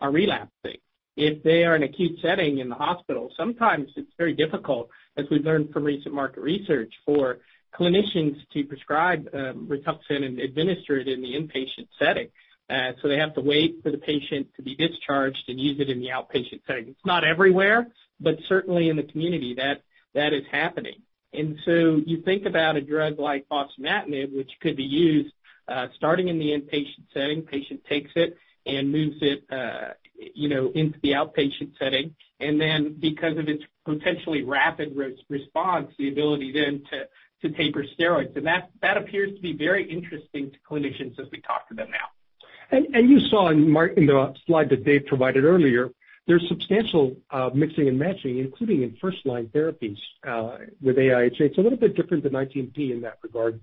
S4: relapsing. If they are in acute setting in the hospital, sometimes it's very difficult, as we learned from recent market research, for clinicians to prescribe Rituxan and administer it in the inpatient setting. So they have to wait for the patient to be discharged and use it in the outpatient setting. It's not everywhere, but certainly in the community that is happening. You think about a drug like fostamatinib, which could be used starting in the inpatient setting, patient takes it and moves it, you know, into the outpatient setting.
S3: Because of its potentially rapid response, the ability to taper steroids, and that appears to be very interesting to clinicians as we talk to them now. You saw in the slide that Dave provided earlier, there's substantial mixing and matching, including in first-line therapies, with AIHA. It's a little bit different than ITP in that regard.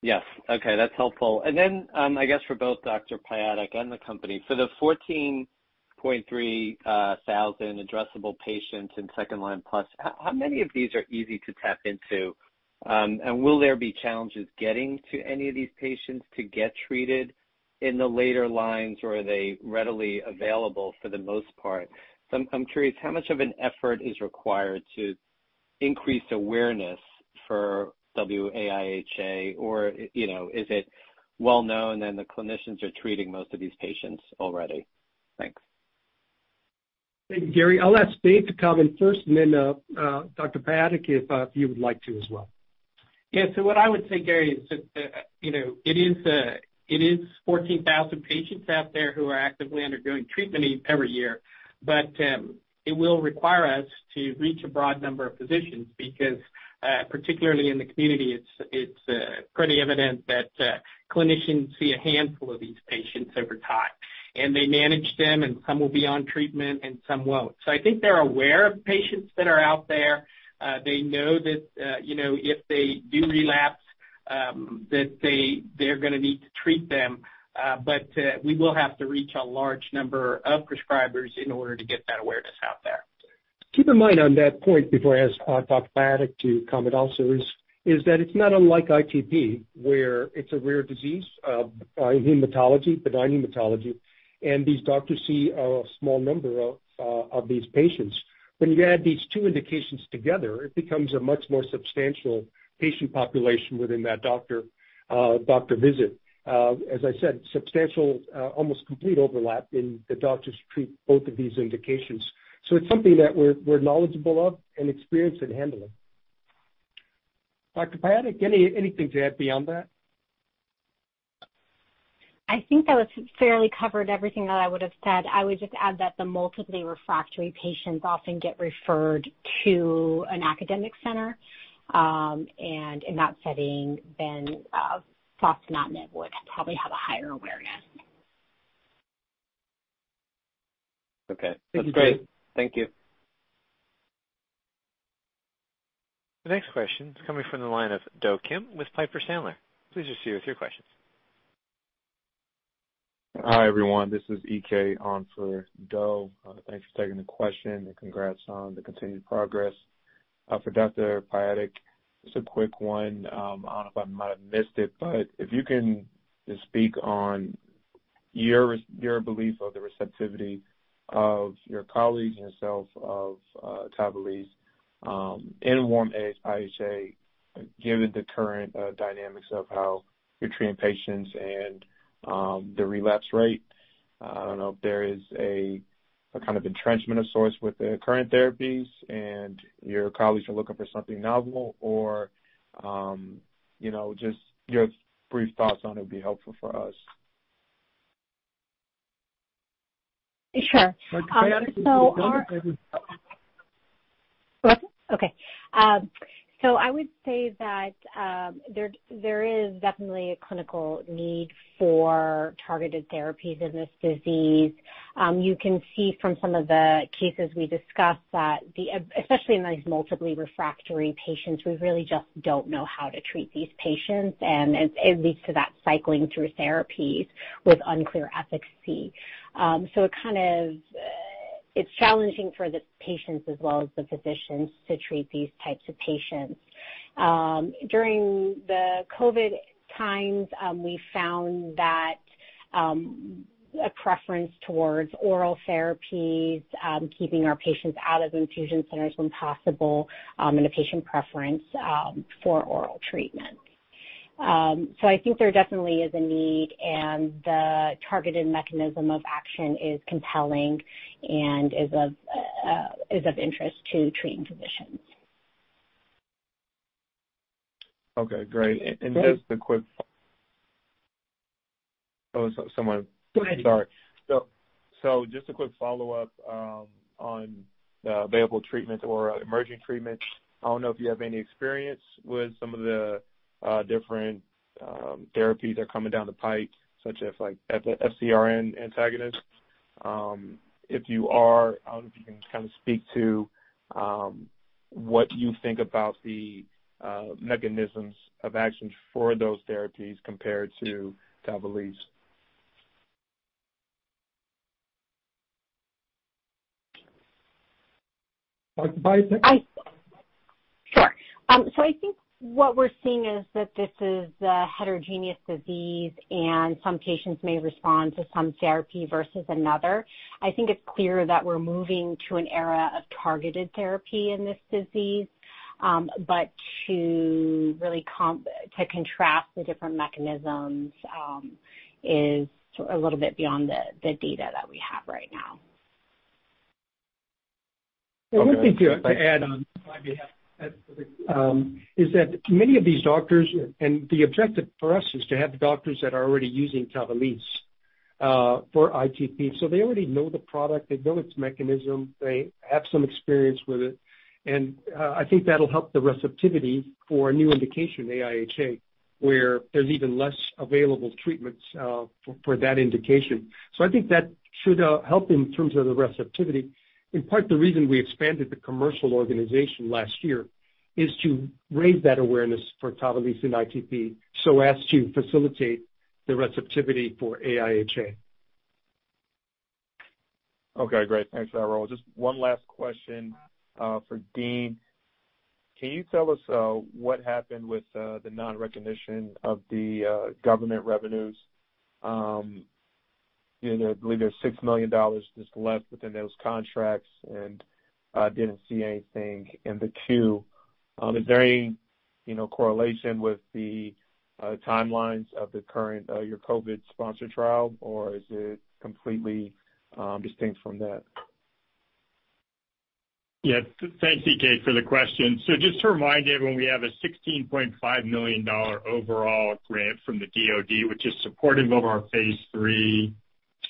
S10: Yes. Okay, that's helpful. I guess for both Dr. Piatek and the company, for the 14.3000 addressable patients in second-line plus, how many of these are easy to tap into? Will there be challenges getting to any of these patients to get treated in the later lines, or are they readily available for the most part? I'm curious, how much of an effort is required to increase awareness for wAIHA, or you know, is it well-known and the clinicians are treating most of these patients already? Thanks.
S3: Thank you, Gary. I'll ask Dave to comment first and then Dr. Piatek, if you would like to as well.
S4: Yeah. What I would say, Gary, is that, you know, it is 14,000 patients out there who are actively undergoing treatment every year. It will require us to reach a broad number of physicians because, particularly in the community, it's pretty evident that clinicians see a handful of these patients over time, and they manage them and some will be on treatment and some won't. I think they're aware of patients that are out there. They know that, you know, if they do relapse, that they're gonna need to treat them. We will have to reach a large number of prescribers in order to get that awareness out there.
S3: Keep in mind on that point before I ask Dr. Piatek to comment also is that it's not unlike ITP, where it's a rare disease in hematology, pediatric hematology, and these doctors see a small number of these patients. When you add these two indications together, it becomes a much more substantial patient population within that doctor visit. As I said, substantial almost complete overlap in the doctors treat both of these indications. So it's something that we're knowledgeable of and experienced in handling. Dr. Piatek, anything to add beyond that?
S6: I think that was fairly covered everything that I would have said. I would just add that the multiply refractory patients often get referred to an academic center, and in that setting then, fostamatinib would probably have a higher awareness.
S10: Okay. That's great. Thank you.
S3: The next question is coming from the line of Do Kim with Piper Sandler. Please proceed with your questions.
S11: Hi, everyone. This is EK on for Do. Thanks for taking the question and congrats on the continued progress. For Dr. Piatek, just a quick one. I don't know if I might have missed it, but if you can just speak on your belief of the receptivity of your colleagues and yourself of TAVALISSE in warm AIHA, given the current dynamics of how you're treating patients and the relapse rate. I don't know if there is a kind of entrenchment of sorts with the current therapies and your colleagues are looking for something novel or you know, just your brief thoughts on it would be helpful for us.
S6: Sure.
S3: David Piatek
S6: What? Okay. I would say that there is definitely a clinical need for targeted therapies in this disease. You can see from some of the cases we discussed that, especially in these multiply refractory patients, we really just don't know how to treat these patients, and it leads to that cycling through therapies with unclear efficacy. It kind of is challenging for the patients as well as the physicians to treat these types of patients. During the COVID times, we found a preference towards oral therapies, keeping our patients out of infusion centers when possible, and a patient preference for oral treatment. I think there definitely is a need, and the targeted mechanism of action is compelling and is of interest to treating physicians.
S11: Okay, great.
S6: [audio distortion] [crosstalk]
S11: Oh, someone.
S6: Go ahead.
S11: Sorry. Just a quick follow-up on the available treatment or emerging treatments. I don't know if you have any experience with some of the different therapies that are coming down the pike, such as like FcRn antagonist. If you are, I don't know if you can kind of speak to what you think about the mechanisms of actions for those therapies compared to TAVALISSE.
S3: Dr. Piatek?
S6: Sure. I think what we're seeing is that this is a heterogeneous disease, and some patients may respond to some therapy versus another. I think it's clear that we're moving to an era of targeted therapy in this disease, but to really contrast the different mechanisms is a little bit beyond the data that we have right now.
S11: Okay.
S3: Add on my behalf. It's that many of these doctors, and the objective for us is to have the doctors that are already using TAVALISSE for ITP. They already know the product, they know its mechanism, they have some experience with it, and I think that'll help the receptivity for a new indication, AIHA, where there's even less available treatments for that indication. I think that should help in terms of the receptivity. In part, the reason we expanded the commercial organization last year is to raise that awareness for TAVALISSE in ITP, so as to facilitate the receptivity for AIHA.
S11: Okay, great. Thanks, Raul. Just one last question for Dean. Can you tell us what happened with the non-recognition of the government revenues? You know, I believe there's $6 million just left within those contracts, and didn't see anything in the 10-Q. Is there any, you know, correlation with the timelines of the current your COVID-sponsored trial, or is it completely distinct from that?
S7: Thanks, EK, for the question. Just to remind everyone, we have a $16.5 million overall grant from the DoD, which is supportive of our Phase three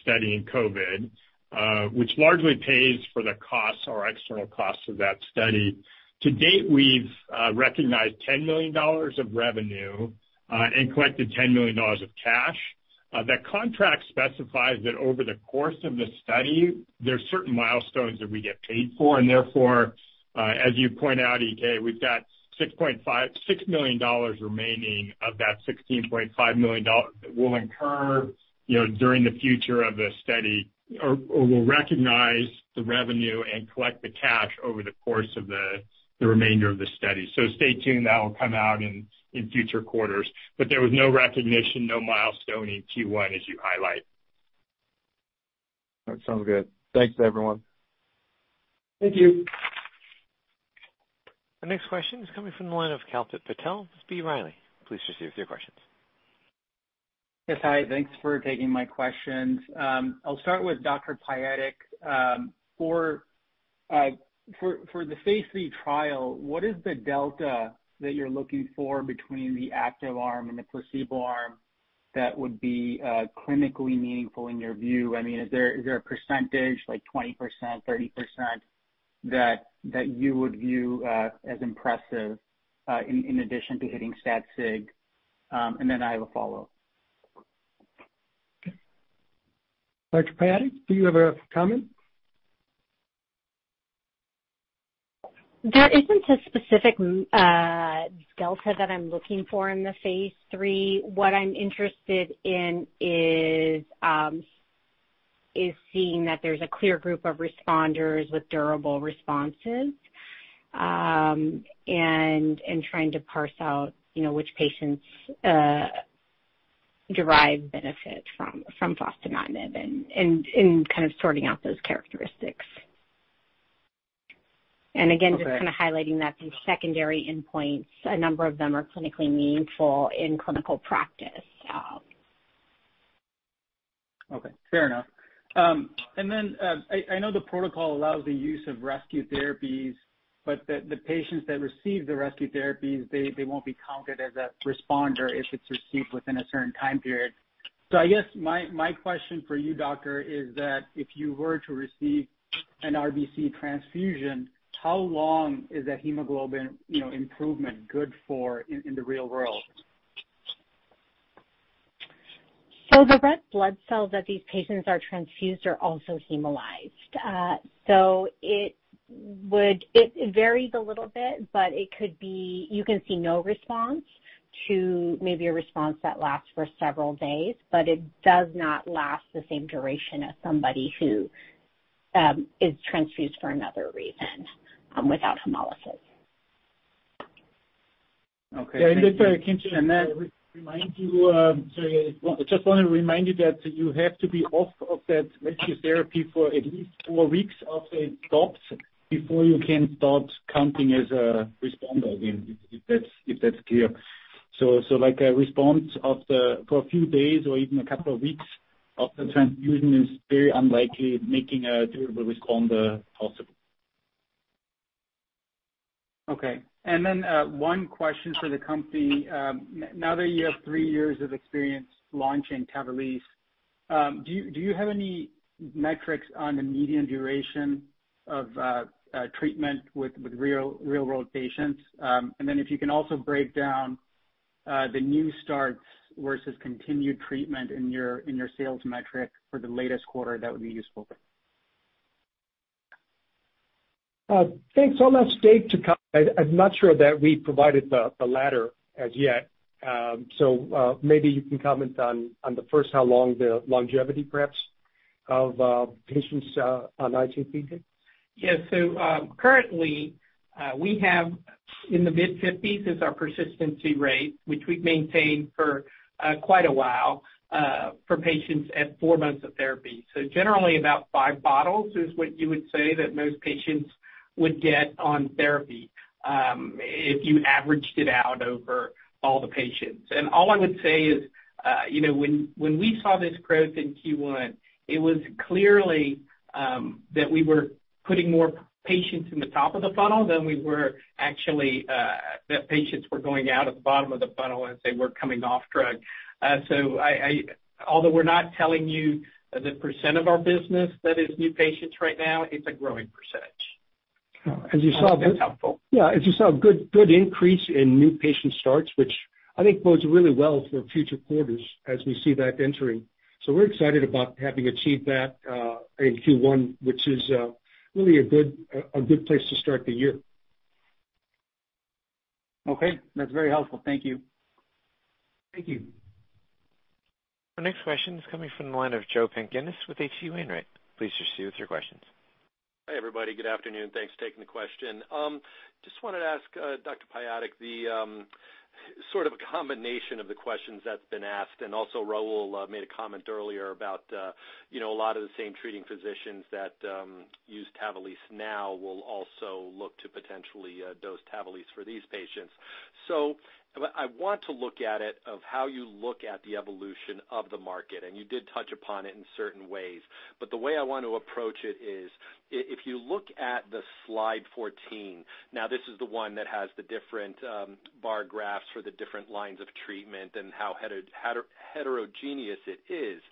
S7: study in COVID, which largely pays for the costs or external costs of that study. To date, we've recognized $10 million of revenue and collected $10 million of cash. That contract specifies that over the course of the study, there are certain milestones that we get paid for, and therefore, as you point out, EK, we've got $6.5 million remaining of that $16.5 million that we'll incur, you know, during the future of the study or we'll recognize the revenue and collect the cash over the course of the remainder of the study. Stay tuned. That will come out in future quarters. There was no recognition, no milestone in Q1 as you highlight.
S11: That sounds good. Thanks, everyone.
S3: Thank you. The next question is coming from the line of Kalpit Patel with B. Riley. Please proceed with your questions.
S12: Yes. Hi. Thanks for taking my questions. I'll start with Dr. Piatek. For the Phase 3 trial, what is the delta that you're looking for between the active arm and the placebo arm that would be clinically meaningful in your view? I mean, is there a percentage like 20%, 30% that you would view as impressive in addition to hitting stat sig? Then I have a follow-up.
S3: Dr. Piatek, do you have a comment?
S6: There isn't a specific delta that I'm looking for in the Phase 3. What I'm interested in is seeing that there's a clear group of responders with durable responses, and trying to parse out, you know, which patients derive benefit from fostamatinib and kind of sorting out those characteristics.
S12: Okay. [crosstalk]
S6: Again, just kind of highlighting that the secondary endpoints, a number of them are clinically meaningful in clinical practice.
S12: Okay. Fair enough. I know the protocol allows the use of rescue therapies, but the patients that receive the rescue therapies, they won't be counted as a responder if it's received within a certain time period. I guess my question for you, doctor, is that if you were to receive an RBC transfusion, how long is that hemoglobin, you know, improvement good for in the real world?
S6: The red blood cells that these patients are transfused are also hemolyzed. It varies a little bit, but it could be you can see no response to maybe a response that lasts for several days, but it does not last the same duration as somebody who is transfused for another reason without hemolysis.
S12: Okay. Thank you.
S3: I just wanna remind you that you have to be off of that rescue therapy for at least four weeks after it stops before you can start counting as a responder again, if that's clear. Like a response after for a few days or even a couple of weeks after transfusion is very unlikely, making a durable responder possible.
S12: Okay. One question for the company. Now that you have three years of experience launching TAVALISSE, do you have any metrics on the median duration of treatment with real-world patients? If you can also break down the new starts versus continued treatment in your sales metric for the latest quarter, that would be useful.
S3: Thanks. I'll ask Dave to comment. I'm not sure that we provided the latter as yet. Maybe you can comment on the first how long the longevity perhaps of patients on ITP.
S4: Yeah. Currently, we have in the mid-50s is our persistency rate, which we've maintained for quite a while, for patients at four months of therapy. Generally, about five bottles is what you would say that most patients would get on therapy, if you averaged it out over all the patients. All I would say is, you know, when we saw this growth in Q1, it was clearly that we were putting more patients in the top of the funnel than we were actually that patients were going out of the bottom of the funnel as they were coming off drug. Although we're not telling you the percent of our business that is new patients right now, it's a growing percentage.
S3: As you saw. [crosstalk]
S12: That's helpful.
S3: Yeah. As you saw, good increase in new patient starts, which I think bodes really well for future quarters as we see that entering. We're excited about having achieved that in Q1, which is really a good place to start the year.
S12: Okay. That's very helpful. Thank you.
S3: Thank you.
S1: Our next question is coming from the line of Joe Pantginis with H.C. Wainwright. Please proceed with your questions.
S13: Hi, everybody. Good afternoon. Thanks for taking the question. Just wanted to ask, Dr. Piatek the sort of a combination of the questions that's been asked. Also Raul made a comment earlier about, you know, a lot of the same treating physicians that use TAVALISSE now will also look to potentially dose TAVALISSE for these patients. I want to look at it of how you look at the evolution of the market, and you did touch upon it in certain ways. But the way I want to approach it is, if you look at the slide 14, now this is the one that has the different bar graphs for the different lines of treatment and how heterogeneous it is.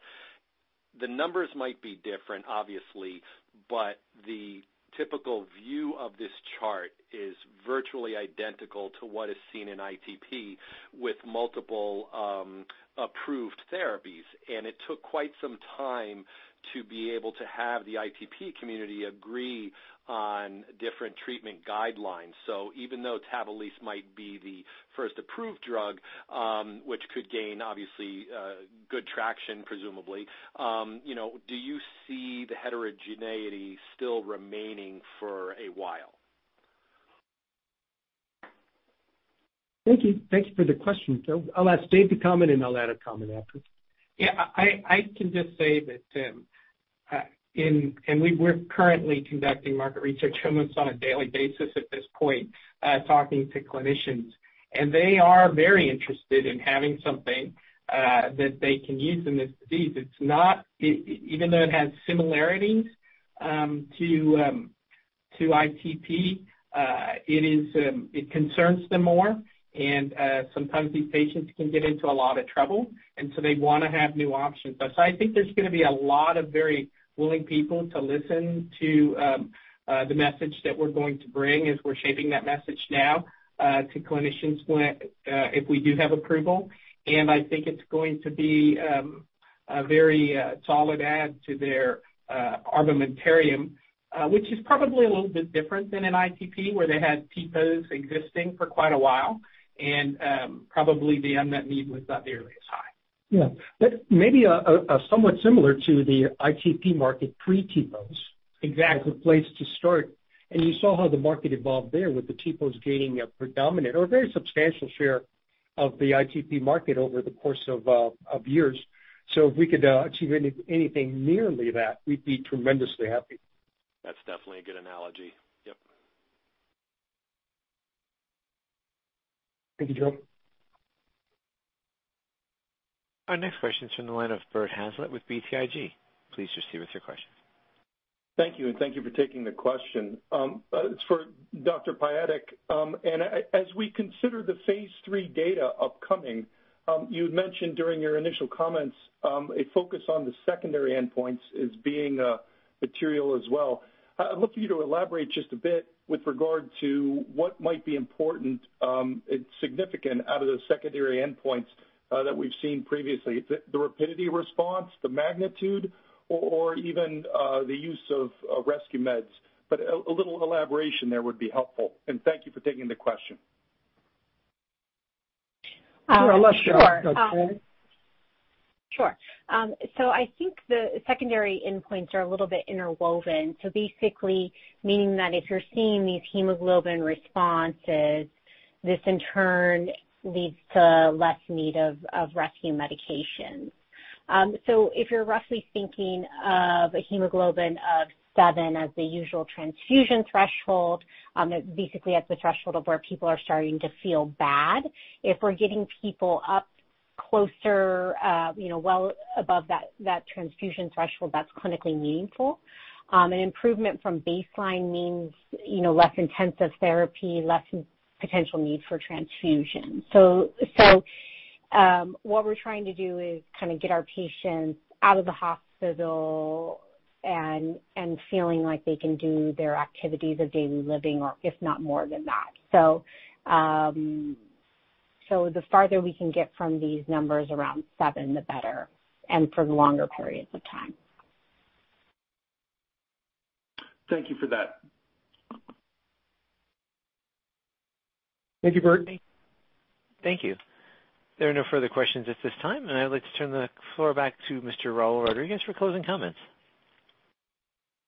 S13: The numbers might be different obviously, but the typical view of this chart is virtually identical to what is seen in ITP with multiple approved therapies. It took quite some time to be able to have the ITP community agree on different treatment guidelines. Even though TAVALISSE might be the first approved drug, which could gain obviously good traction, presumably, you know, do you see the heterogeneity still remaining for a while?
S3: Thank you. Thank you for the question, Joe. I'll ask Dave to comment, and I'll add a comment after.
S4: Yeah. I can just say that, and we're currently conducting market research almost on a daily basis at this point, talking to clinicians, and they are very interested in having something that they can use in this disease. Even though it has similarities to ITP, it concerns them more and sometimes these patients can get into a lot of trouble, and so they wanna have new options. I think there's gonna be a lot of very willing people to listen to the message that we're going to bring as we're shaping that message now to clinicians when, if we do have approval. I think it's going to be a very solid add to their armamentarium, which is probably a little bit different than an ITP where they had TPOs existing for quite a while and probably the unmet need was not nearly as high.
S3: Maybe somewhat similar to the ITP market pre-TPOs.
S4: Exactly [crosstalk]
S3: Is a good place to start. You saw how the market evolved there with the TPOs gaining a predominant or a very substantial share of the ITP market over the course of years. If we could achieve anything nearly that, we'd be tremendously happy.
S13: That's definitely a good analogy. Yep.
S3: Thank you, Joe.
S1: Our next question is from the line of Bert Hazlett with BTIG. Please proceed with your question.
S14: Thank you, and thank you for taking the question. It's for Dr. Piatek. As we consider the Phase 3 data upcoming, you had mentioned during your initial comments a focus on the secondary endpoints as being material as well. I'd love for you to elaborate just a bit with regard to what might be important and significant out of the secondary endpoints that we've seen previously. The rapidity response, the magnitude, or even the use of rescue meds. But a little elaboration there would be helpful. Thank you for taking the question.
S3: [audio distortion] [crosstalk] Dr. Piatek.
S6: Sure. I think the secondary endpoints are a little bit interwoven. Basically meaning that if you're seeing these hemoglobin responses, this in turn leads to less need of rescue medications. If you're roughly thinking of a hemoglobin of seven as the usual transfusion threshold, basically that's the threshold of where people are starting to feel bad. If we're getting people up closer, you know, well above that transfusion threshold, that's clinically meaningful. An improvement from baseline means, you know, less intensive therapy, less potential need for transfusion. What we're trying to do is kind of get our patients out of the hospital and feeling like they can do their activities of daily living or if not more than that. The farther we can get from these numbers around seven, the better, and for longer periods of time.
S14: Thank you for that.
S3: Thank you, Bert.
S1: Thank you. There are no further questions at this time, and I'd like to turn the floor back to Mr. Raul Rodriguez for closing comments.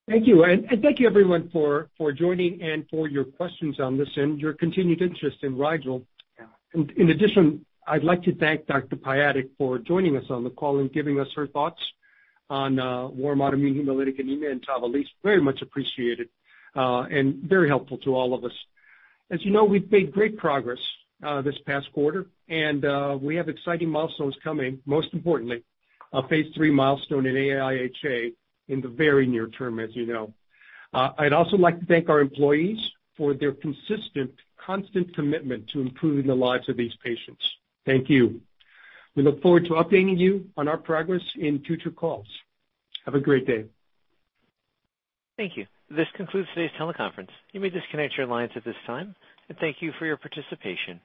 S3: Thank you. Thank you everyone for joining and for your questions on this and your continued interest in Rigel.
S4: Yeah.
S3: In addition, I'd like to thank Dr. Piatek for joining us on the call and giving us her thoughts on warm autoimmune hemolytic anemia and TAVALISSE. Very much appreciated and very helpful to all of us. As you know, we've made great progress this past quarter, and we have exciting milestones coming, most importantly, a Phase three milestone in AIHA in the very near term, as you know. I'd also like to thank our employees for their consistent, constant commitment to improving the lives of these patients. Thank you. We look forward to updating you on our progress in future calls. Have a great day.
S1: Thank you. This concludes today's teleconference. You may disconnect your lines at this time, and thank you for your participation.